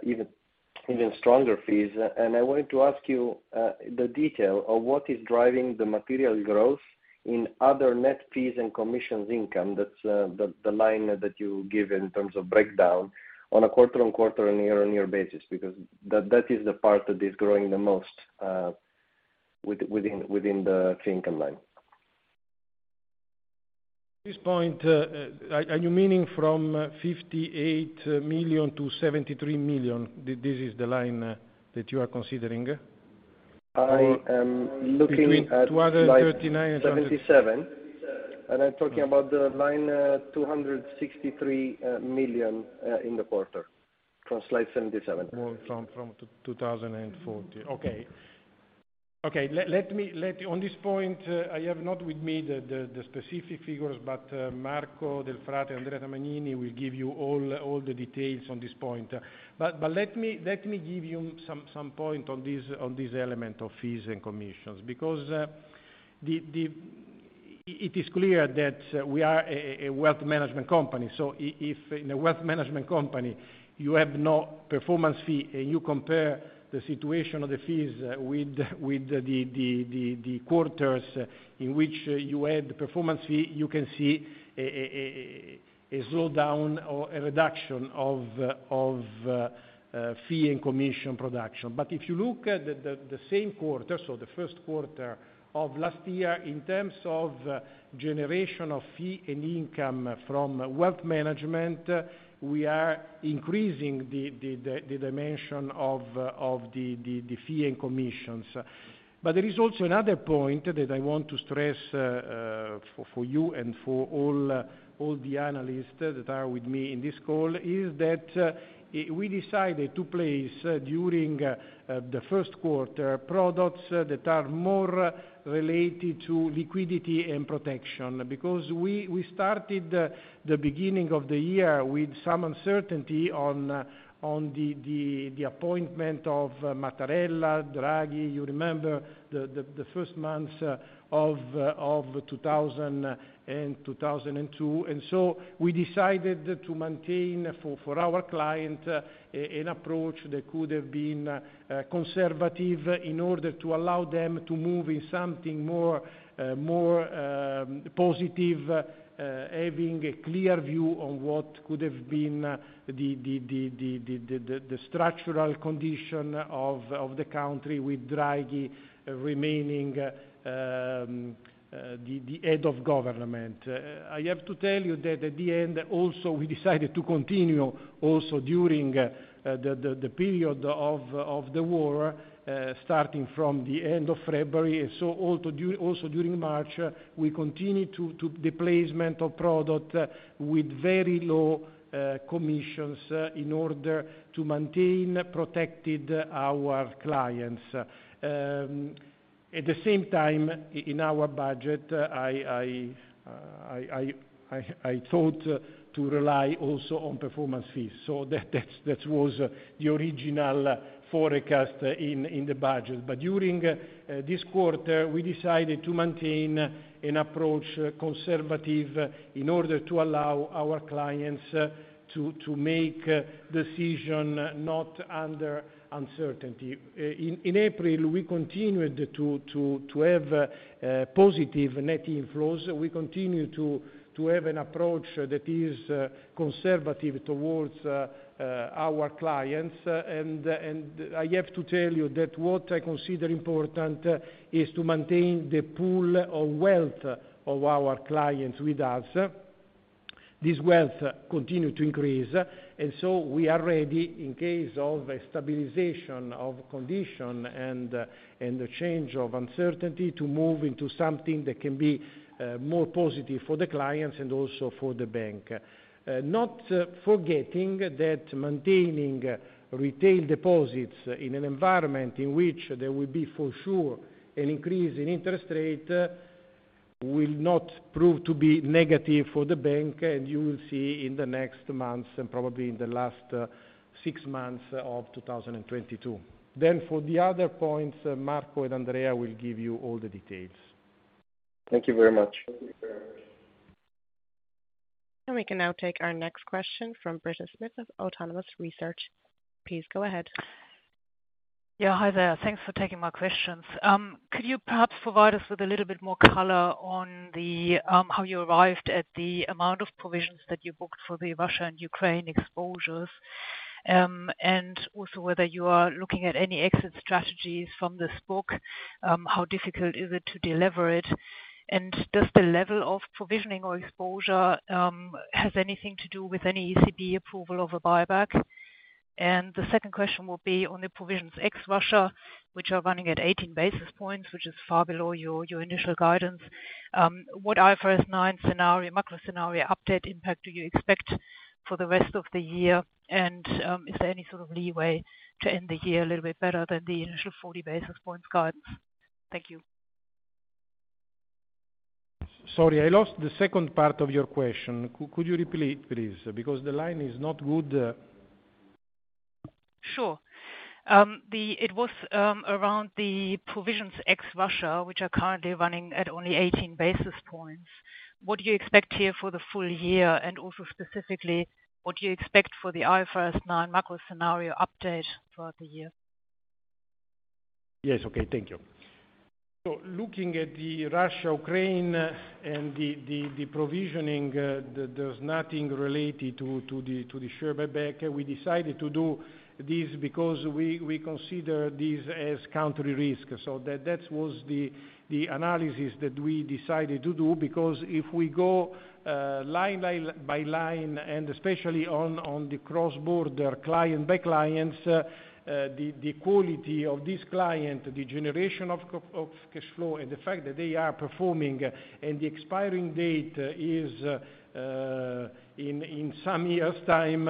even stronger fees. I wanted to ask you the detail of what is driving the material growth in other net fees and commissions income. That's the line that you give in terms of breakdown on a quarter-on-quarter and year-on-year basis, because that is the part that is growing the most within the fee income line. This point, are you meaning from 58 million-73 million? This is the line that you are considering? I am looking at. Between 239. Slide 77, and I'm talking about the line, 263 million in the quarter, from Slide 77. More from 2040. Let me. On this point, I have not with me the specific figures, but Marco Delfrate, Andrea Tamagnini will give you all the details on this point. Let me give you some point on this element of fees and commissions, because it is clear that we are a wealth management company. If in a wealth management company, you have no performance fee, and you compare the situation of the fees with the quarters in which you had the performance fee, you can see a slowdown or a reduction of fee and commission production. If you look at the same quarter, so the first quarter of last year, in terms of generation of fee and income from wealth management, we are increasing the dimension of the fee and commissions. There is also another point that I want to stress, for you and for all the analysts that are with me in this call, is that we decided to place, during the first quarter, products that are more related to liquidity and protection. Because we started the beginning of the year with some uncertainty on the appointment of Mattarella, Draghi. You remember the first months of 2022. We decided to maintain for our client an approach that could have been conservative in order to allow them to move in something more positive, having a clear view on what could have been the structural condition of the country with Draghi remaining the head of government. I have to tell you that at the end also, we decided to continue also during the period of the war, starting from the end of February. Also during March, we continued to the placement of product with very low commissions in order to maintain protected our clients. At the same time, in our budget, I thought to rely also on performance fees. That was the original forecast in the budget. During this quarter, we decided to maintain an approach conservative in order to allow our clients to make decision not under uncertainty. In April, we continued to have positive net inflows. We continue to have an approach that is conservative towards our clients. I have to tell you that what I consider important is to maintain the pool of wealth of our clients with us. This wealth continue to increase, and so we are ready in case of a stabilization of condition and a change of uncertainty to move into something that can be more positive for the clients and also for the bank. Not forgetting that maintaining retail deposits in an environment in which there will be for sure an increase in interest rate, will not prove to be negative for the bank, and you will see in the next months and probably in the last six months of 2022. For the other points, Marco and Andrea will give you all the details. Thank you very much. We can now take our next question from Britta Schmidt of Autonomous Research. Please go ahead. Hi there. Thanks for taking my questions. Could you perhaps provide us with a little bit more color on the how you arrived at the amount of provisions that you booked for the Russia and Ukraine exposures, and also whether you are looking at any exit strategies from this book, how difficult is it to deliver it? And does the level of provisioning or exposure has anything to do with any ECB approval of a buyback? And the second question will be on the provisions ex Russia, which are running at 18 basis points, which is far below your initial guidance. What IFRS 9 scenario, macro scenario update impact do you expect for the rest of the year? And is there any sort of leeway to end the year a little bit better than the initial 40 basis points guidance? Thank you. Sorry, I lost the second part of your question. Could you repeat please? Because the line is not good. Sure. It was around the provisions ex Russia, which are currently running at only 18 basis points. What do you expect here for the full year? Also specifically, what do you expect for the IFRS 9 macro scenario update throughout the year? Yes, okay. Thank you. Looking at the Russia, Ukraine and the provisioning, there's nothing related to the share buyback. We decided to do this because we consider this as country risk. That was the analysis that we decided to do, because if we go line by line, and especially on the cross-border client by clients, the quality of this client, the generation of cash flow, and the fact that they are performing, and the expiring date is in some years time,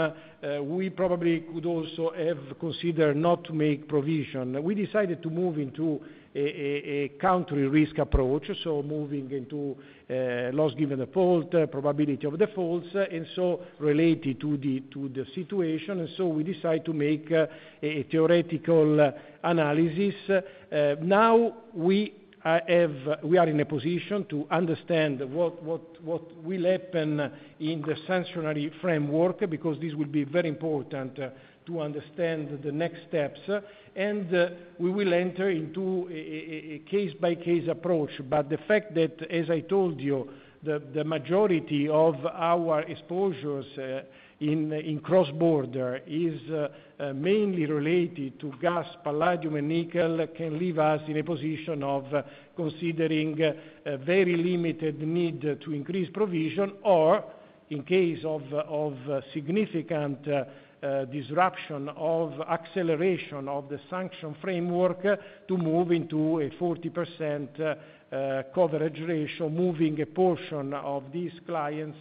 we probably could also have considered not to make provision. We decided to move into a country risk approach, so moving into loss given default, probability of default, and so related to the situation. We decide to make a theoretical analysis. Now we are in a position to understand what will happen in the sanctions framework, because this will be very important to understand the next steps. We will enter into a case-by-case approach. The fact that, as I told you, the majority of our exposures in cross-border is mainly related to gas, palladium and nickel, can leave us in a position of considering a very limited need to increase provision, or in case of significant disruption or acceleration of the sanctions framework to move into a 40% coverage ratio, moving a portion of these clients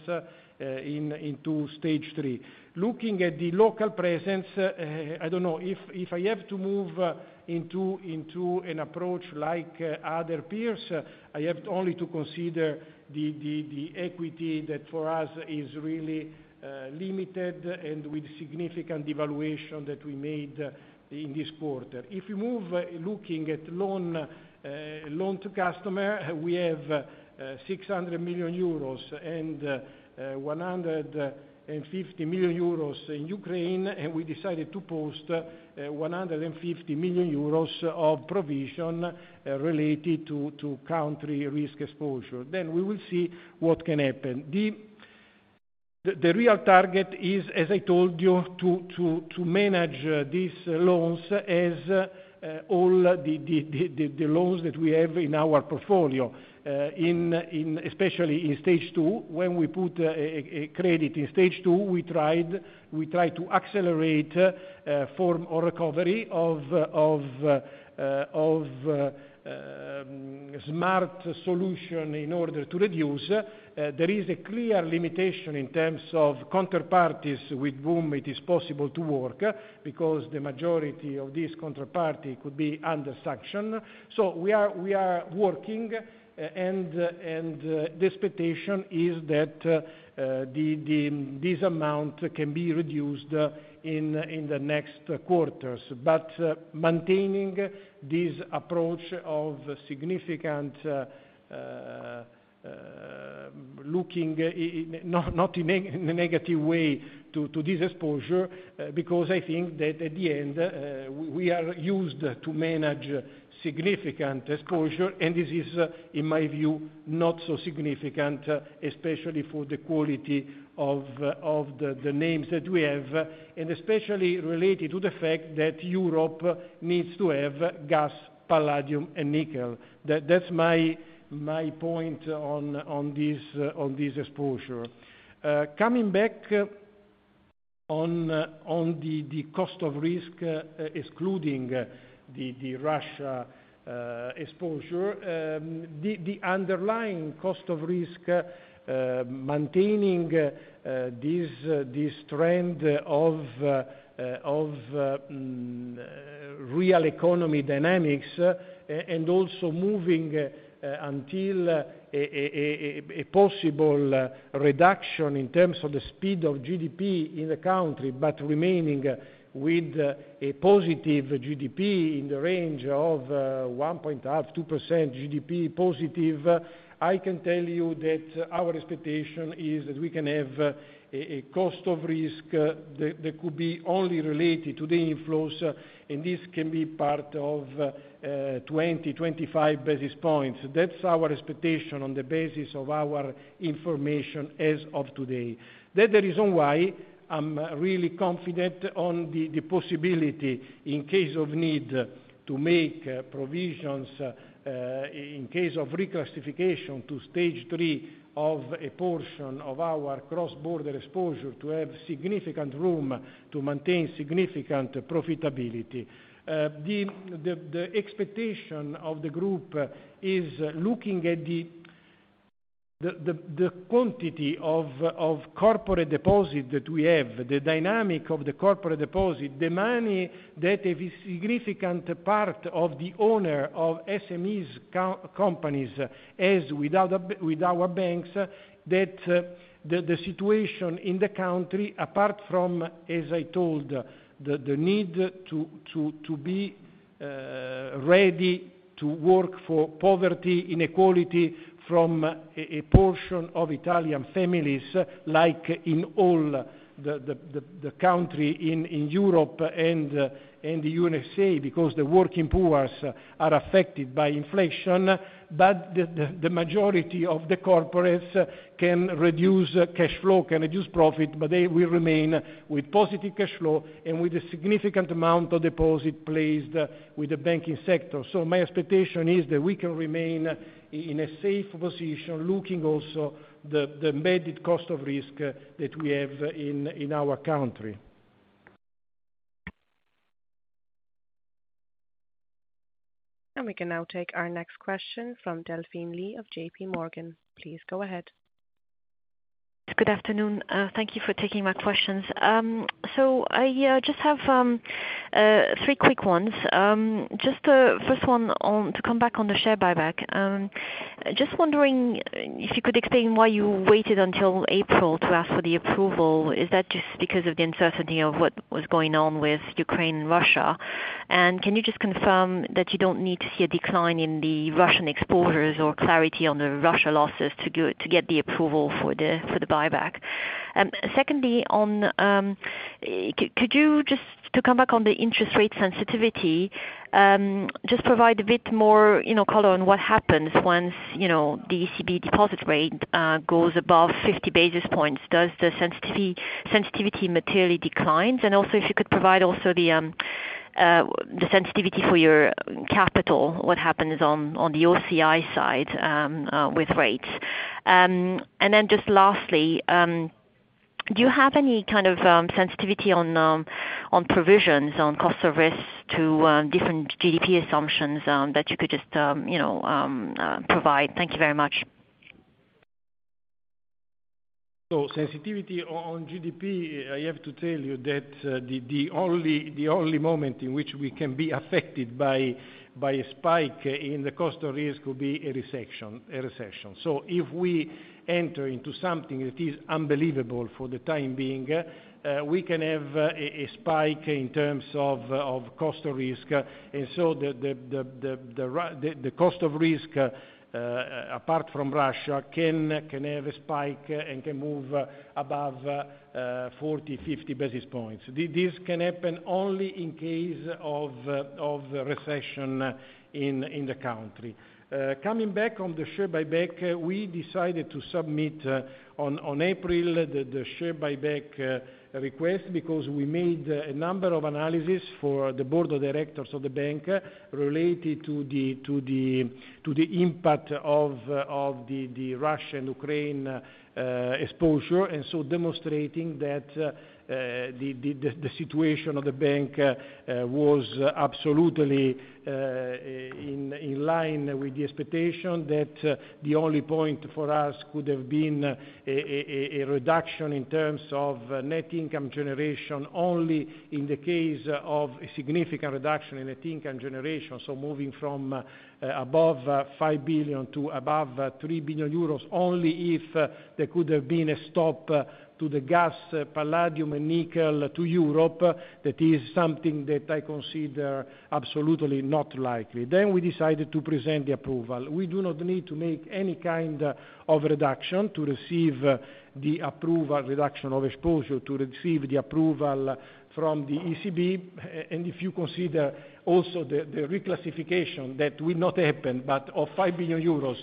into Stage 3. Looking at the local presence, I don't know if I have to move into an approach like other peers. I have only to consider the equity that for us is really limited and with significant devaluation that we made in this quarter. If you move looking at loan to customer, we have 600 million euros and 150 million euros in Ukraine, and we decided to post 150 million euros of provision related to country risk exposure. Then we will see what can happen. The real target is, as I told you, to manage these loans as all the loans that we have in our portfolio. Especially in Stage 2, when we put a credit in Stage 2, we try to accelerate for more recovery of smart solution in order to reduce. There is a clear limitation in terms of counterparties with whom it is possible to work, because the majority of this counterparty could be under sanction. We are working and the expectation is that this amount can be reduced in the next quarters. Maintaining this approach of significant looking in, not in a negative way to this exposure, because I think that at the end we are used to manage significant exposure, and this is, in my view, not so significant, especially for the quality of the names that we have, and especially related to the fact that Europe needs to have gas, palladium, and nickel. That's my point on this exposure. Coming back on the cost of risk, excluding the Russia exposure, the underlying cost of risk, maintaining this trend of real economy dynamics, and also moving until a possible reduction in terms of the speed of GDP in the country, but remaining with a positive GDP in the range of 1.5%-2% GDP positive. I can tell you that our expectation is that we can have a cost of risk that could be only related to the inflows, and this can be part of 20-25 basis points. That's our expectation on the basis of our information as of today. That's the reason why I'm really confident on the possibility, in case of need, to make provisions in case of reclassification to Stage 3 of a portion of our cross-border exposure to have significant room to maintain significant profitability. The expectation of the group is looking at the quantity of corporate deposit that we have, the dynamic of the corporate deposit, the money that a significant part of the owners of SMEs companies has with our banks, that the situation in the country, apart from, as I told, the need to be ready to work on poverty and inequality affecting a portion of Italian families, like in all the countries in Europe and the USA, because the working poor are affected by inflation. The majority of the corporates can reduce cash flow, can reduce profit, but they will remain with positive cash flow and with a significant amount of deposit placed with the banking sector. My expectation is that we can remain in a safe position, looking also the embedded cost of risk that we have in our country. We can now take our next question from Delphine Lee of JPMorgan. Please go ahead. Good afternoon. Thank you for taking my questions. I just have three quick ones. Just first one to come back on the share buyback. Just wondering if you could explain why you waited until April to ask for the approval. Is that just because of the uncertainty of what was going on with Ukraine and Russia? Can you just confirm that you don't need to see a decline in the Russian exposures or clarity on the Russia losses to get the approval for the buyback? Secondly, could you just to come back on the interest rate sensitivity, just provide a bit more, you know, color on what happens once, you know, the ECB deposit rate goes above 50 basis points? Does the sensitivity materially declines? Also, if you could provide also the sensitivity for your capital, what happens on the OCI side with rates. Then just lastly, do you have any kind of sensitivity on provisions, on cost of risk to different GDP assumptions, that you could just you know provide? Thank you very much. Sensitivity on GDP, I have to tell you that the only moment in which we can be affected by a spike in the cost of risk will be a recession. If we enter into something that is unbelievable for the time being, we can have a spike in terms of cost of risk. The cost of risk, apart from Russia, can have a spike and can move above 40-50 basis points. This can happen only in case of recession in the country. Coming back on the share buyback, we decided to submit, on April, the share buyback request because we made a number of analysis for the board of directors of the bank related to the impact of the Russia and Ukraine exposure. Demonstrating that the situation of the bank was absolutely in line with the expectation that the only point for us could have been a reduction in terms of net income generation, only in the case of a significant reduction in net income generation. Moving from above 5 billion to above 3 billion euros, only if there could have been a stop to the gas, palladium, and nickel to Europe, that is something that I consider absolutely not likely. We decided to present the approval. We do not need to make any kind of reduction of exposure to receive the approval from the ECB. If you consider also the reclassification that will not happen, but of 5 billion euros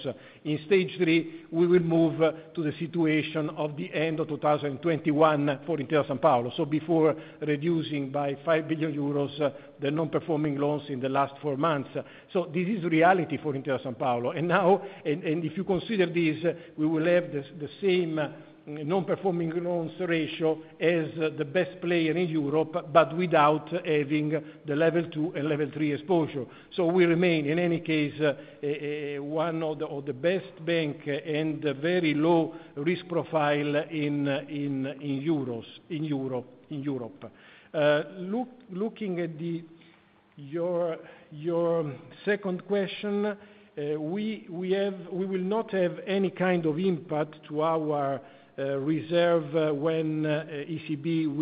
in Stage 3, we will move to the situation of the end of 2021 for Intesa Sanpaolo. Before reducing by 5 billion euros the non-performing loans in the last four months. This is reality for Intesa Sanpaolo. Now if you consider this, we will have the same non-performing loans ratio as the best player in Europe, but without having the Level 2 and Level 3 exposure. We remain, in any case, one of the best bank and very low risk profile in Europe. Looking at your second question, we will not have any kind of impact to our reserve when ECB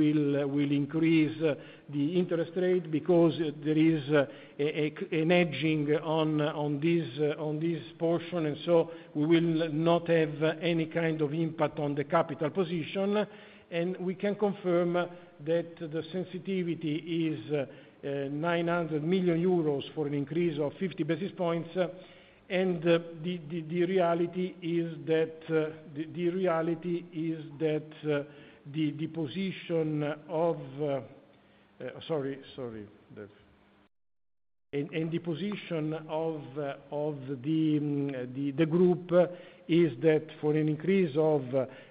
will increase the interest rate because there is a hedging on this portion, and so we will not have any kind of impact on the capital position. We can confirm that the sensitivity is 900 million euros for an increase of 50 basis points. The reality is that the position of the group is that for an increase of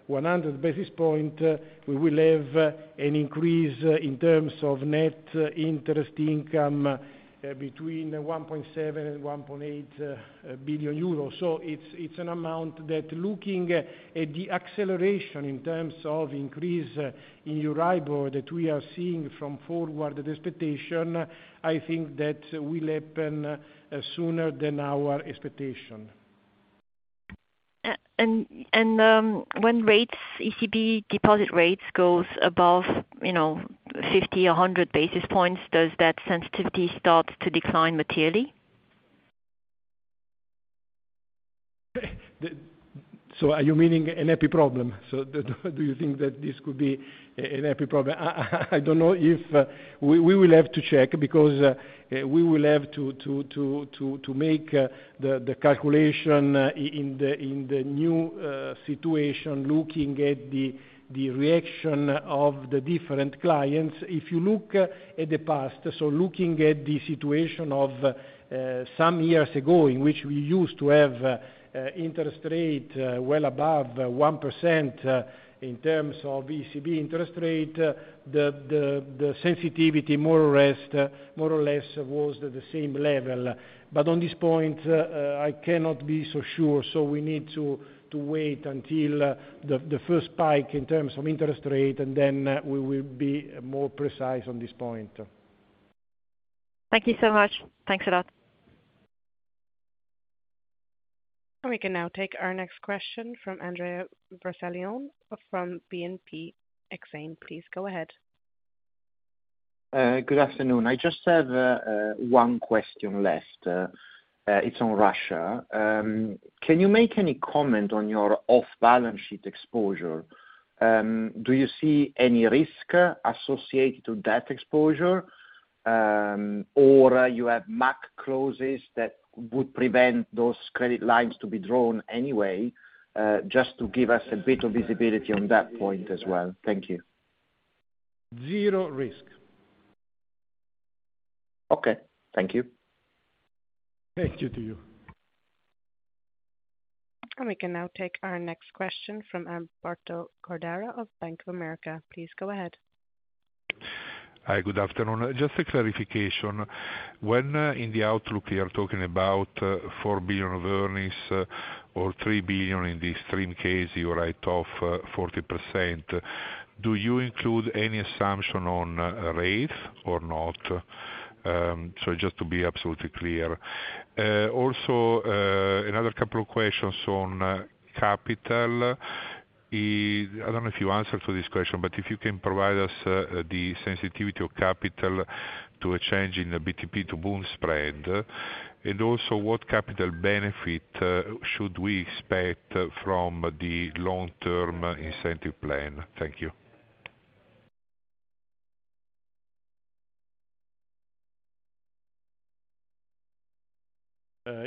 100 basis points, we will have an increase in terms of net interest income between 1.7 billion and 1.8 billion euros. It's an amount that looking at the acceleration in terms of increase in EURIBOR that we are seeing from forward expectation, I think that will happen sooner than our expectation. When rates, ECB deposit rates goes above, you know, 50, 100 basis points, does that sensitivity start to decline materially? Are you meaning an EVE problem? Do you think that this could be an EVE problem? I don't know if we will have to check because we will have to make the calculation in the new situation, looking at the reaction of the different clients. If you look at the past, looking at the situation of some years ago in which we used to have interest rate well above 1% in terms of ECB interest rate, the sensitivity more or less was the same level. But on this point, I cannot be so sure. We need to wait until the first spike in terms of interest rate, and then we will be more precise on this point. Thank you so much. Thanks a lot. We can now take our next question from Andrea Vercellone from Exane BNP Paribas. Please go ahead. Good afternoon. I just have one question left. It's on Russia. Can you make any comment on your off-balance sheet exposure? Do you see any risk associated to that exposure, or you have MAC clauses that would prevent those credit lines to be drawn anyway? Just to give us a bit of visibility on that point as well. Thank you. Zero risk. Okay. Thank you. Thank you to you. We can now take our next question from Alberto Cordara of Bank of America. Please go ahead. Hi, good afternoon. Just a clarification. When in the outlook you are talking about 4 billion of earnings or 3 billion in the extreme case, you write off 40%, do you include any assumption on rate or not? So just to be absolutely clear. Also, another couple of questions on capital. I don't know if you answered to this question, but if you can provide us the sensitivity of capital to a change in the BTP to Bund spread. Also what capital benefit should we expect from the long-term incentive plan? Thank you.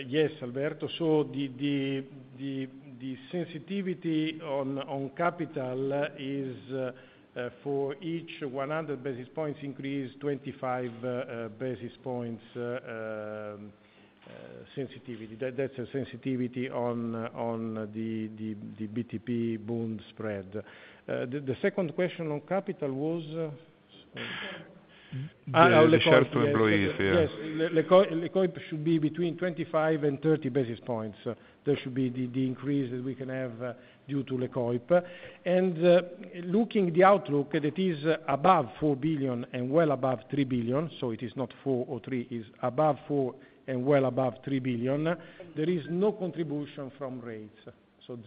Yes, Alberto. The sensitivity on capital is for each 100 basis points increase, 25 basis points sensitivity. That's a sensitivity on the BTP Bund spread. The second question on capital was? The share to. Yes. LECOIP should be between 25 and 30 basis points. That should be the increase that we can have due to LECOIP. Looking at the outlook that is above 4 billion and well above 3 billion, so it is not 4 or 3, it's above 4 and well above 3 billion, there is no contribution from rates.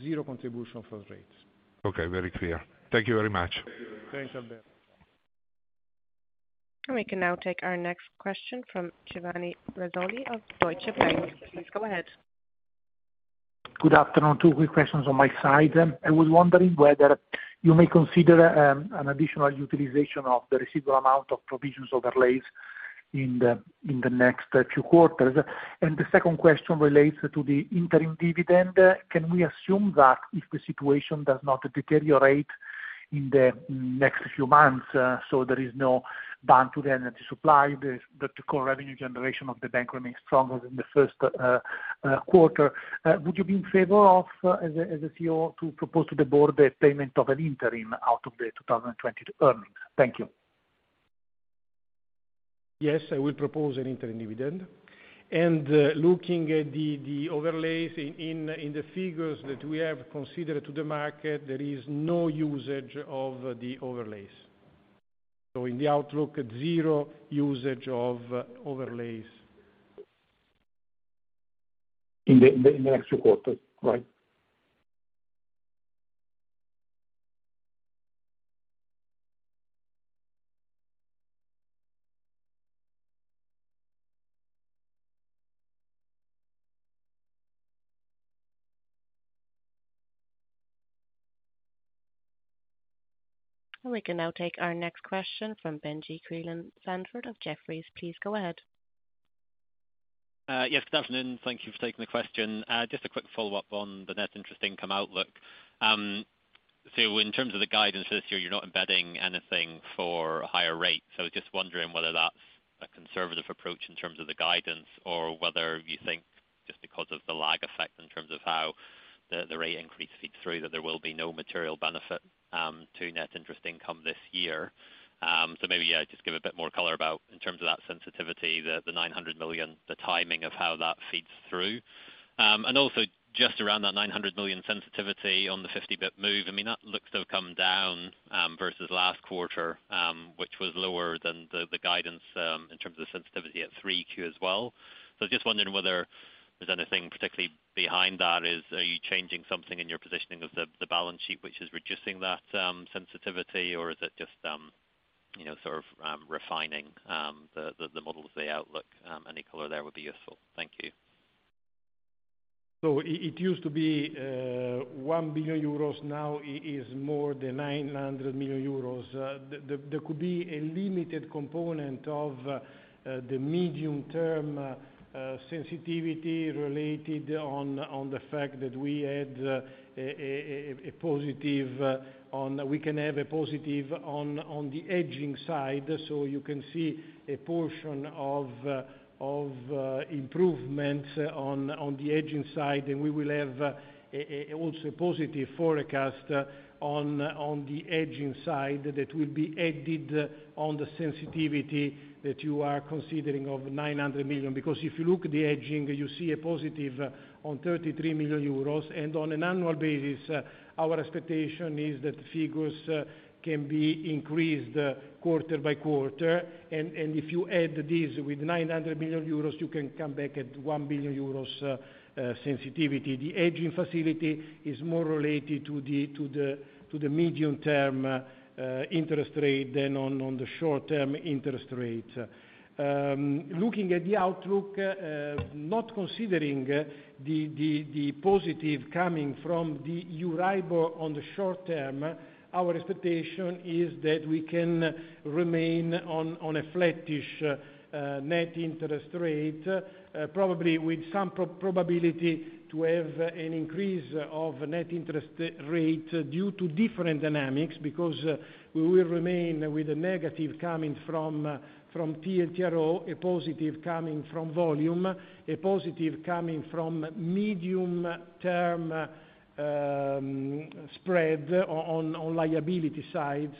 Zero contribution from rates. Okay, very clear. Thank you very much. Thanks, Alberto. We can now take our next question from Giovanni Razzoli of Deutsche Bank. Please go ahead. Good afternoon. Two quick questions on my side. I was wondering whether you may consider an additional utilization of the residual amount of provisions overlays in the next few quarters. The second question relates to the interim dividend. Can we assume that if the situation does not deteriorate in the next few months, so there is no ban to the energy supply, the core revenue generation of the bank remains stronger than the first quarter? Would you be in favor, as a CEO, to propose to the board the payment of an interim out of the 2020 earnings? Thank you. Yes, I will propose an interim dividend. Looking at the overlays in the figures that we have considered to the market, there is no usage of the overlays. In the outlook, zero usage of overlays. In the next few quarters, right. We can now take our next question from Benjie Creelan-Sandford of Jefferies. Please go ahead. Yes. Good afternoon. Thank you for taking the question. Just a quick follow-up on the net interest income outlook. In terms of the guidance this year, you're not embedding anything for a higher rate. Just wondering whether that's a conservative approach in terms of the guidance or whether you think just because of the lag effect in terms of how the rate increase feeds through, that there will be no material benefit to net interest income this year. Maybe just give a bit more color about in terms of that sensitivity, the 900 million, the timing of how that feeds through. Just around that 900 million sensitivity on the 50 basis point move, I mean, that looks to have come down versus last quarter, which was lower than the guidance in terms of sensitivity at 3Q as well. I was just wondering whether there's anything particularly behind that. Are you changing something in your positioning of the balance sheet, which is reducing that sensitivity? Or is it just you know, sort of refining the model of the outlook? Any color there would be useful. Thank you. It used to be 1 billion euros, now is more than 900 million euros. There could be a limited component of the medium-term sensitivity related to the fact that we can have a positive on the hedging side. You can see a portion of improvements on the hedging side, and we will have also a positive forecast on the hedging side that will be added to the sensitivity that you are considering of 900 million. Because if you look at the hedging, you see a positive of 33 million euros. On an annual basis, our expectation is that figures can be increased quarter-by-quarter. If you add this with 900 million euros, you can come back at 1 billion euros sensitivity. The hedging facility is more related to the medium-term interest rate than on the short-term interest rate. Looking at the outlook, not considering the positive coming from the EURIBOR on the short-term, our expectation is that we can remain on a flattish net interest rate, probably with some probability to have an increase of net interest rate due to different dynamics, because we will remain with a negative coming from TLTRO, a positive coming from volume, a positive coming from medium-term spread on liability sides,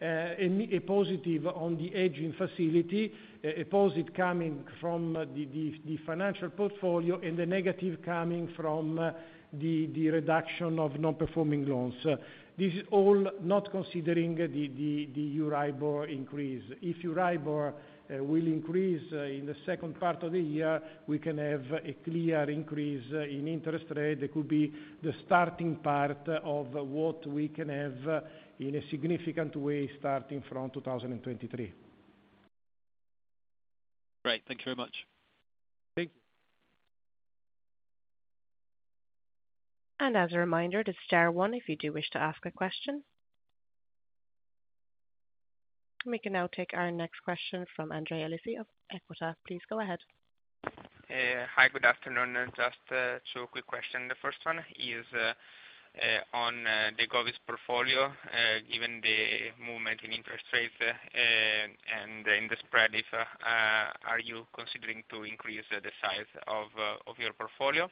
a positive on the hedging facility, a positive coming from the financial portfolio, and the negative coming from the reduction of non-performing loans. This is all not considering the EURIBOR increase. If EURIBOR will increase in the second part of the year, we can have a clear increase in interest rate. That could be the starting part of what we can have in a significant way starting from 2023. Great. Thank you very much. Thank you. As a reminder, it is star one if you do wish to ask a question. We can now take our next question from Andrea Lisi of Equita. Please go ahead. Hi, good afternoon. Just two quick question. The first one is on the govies portfolio. Given the movement in interest rates and in the spread, are you considering to increase the size of your portfolio?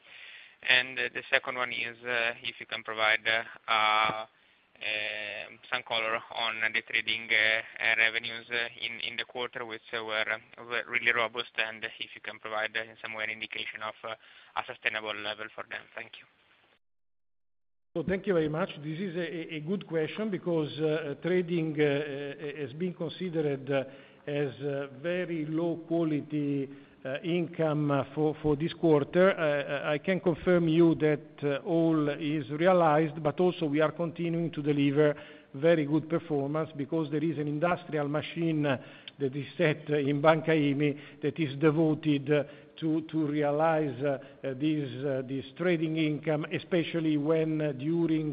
The second one is, if you can provide some color on the trading revenues in the quarter, which were really robust, and if you can provide some indication of a sustainable level for them. Thank you. Thank you very much. This is a good question because trading is being considered as very low quality income for this quarter. I can confirm you that all is realized, but also we are continuing to deliver very good performance because there is an industrial machine that is set in Banca IMI that is devoted to realize this trading income, especially when during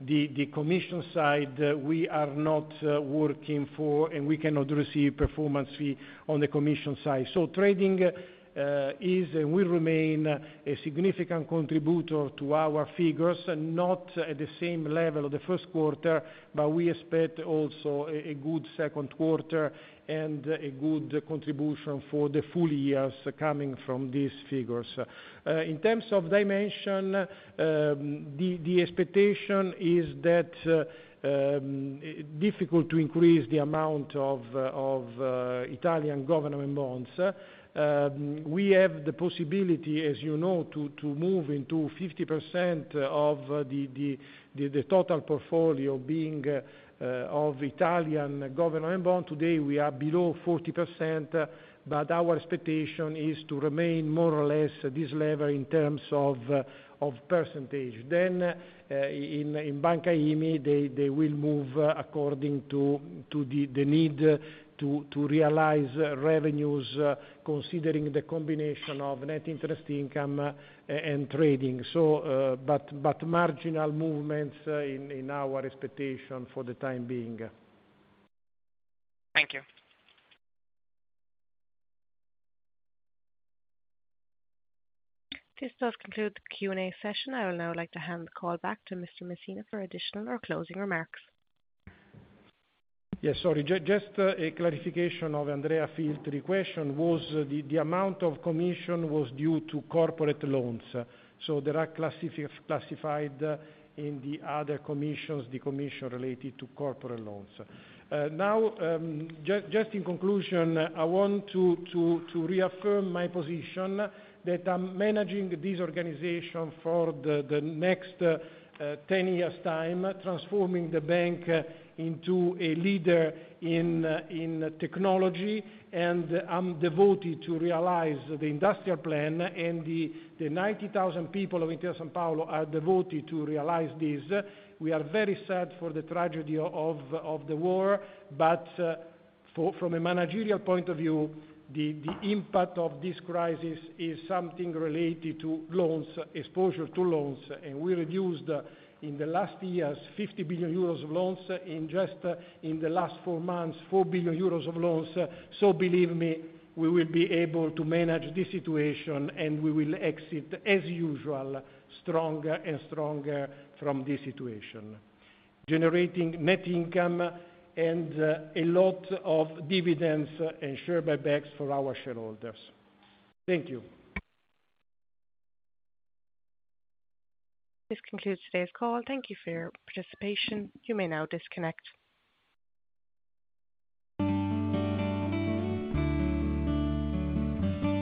the commission side, we are not working for, and we cannot receive performance fee on the commission side. Trading is and will remain a significant contributor to our figures, not at the same level of the first quarter, but we expect also a good second quarter and a good contribution for the full years coming from these figures. In terms of dimension, the expectation is that difficult to increase the amount of Italian government bonds. We have the possibility, as you know, to move into 50% of the total portfolio being of Italian government bond. Today, we are below 40%, but our expectation is to remain more or less this level in terms of percentage. In Banca IMI, they will move according to the need to realize revenues, considering the combination of net interest income and trading. But marginal movements in our expectation for the time being. Thank you. This does conclude the Q&A session. I would now like to hand the call back to Mr. Messina for additional or closing remarks. Yes, sorry. A clarification of Andrea Filtri question was the amount of commission was due to corporate loans. They are classified in the other commissions, the commission related to corporate loans. In conclusion, I want to reaffirm my position that I'm managing this organization for the next 10 years' time, transforming the bank into a leader in technology. I'm devoted to realize the industrial plan, and the 90,000 people of Intesa Sanpaolo are devoted to realize this. We are very sad for the tragedy of the war. From a managerial point of view, the impact of this crisis is something related to loans, exposure to loans. We reduced, in the last years, 50 billion euros of loans, in just, in the last four months, 4 billion euros of loans. Believe me, we will be able to manage this situation, and we will exit as usual, stronger and stronger from this situation, generating net income and a lot of dividends and share buybacks for our shareholders. Thank you. This concludes today's call. Thank you for your participation. You may now disconnect.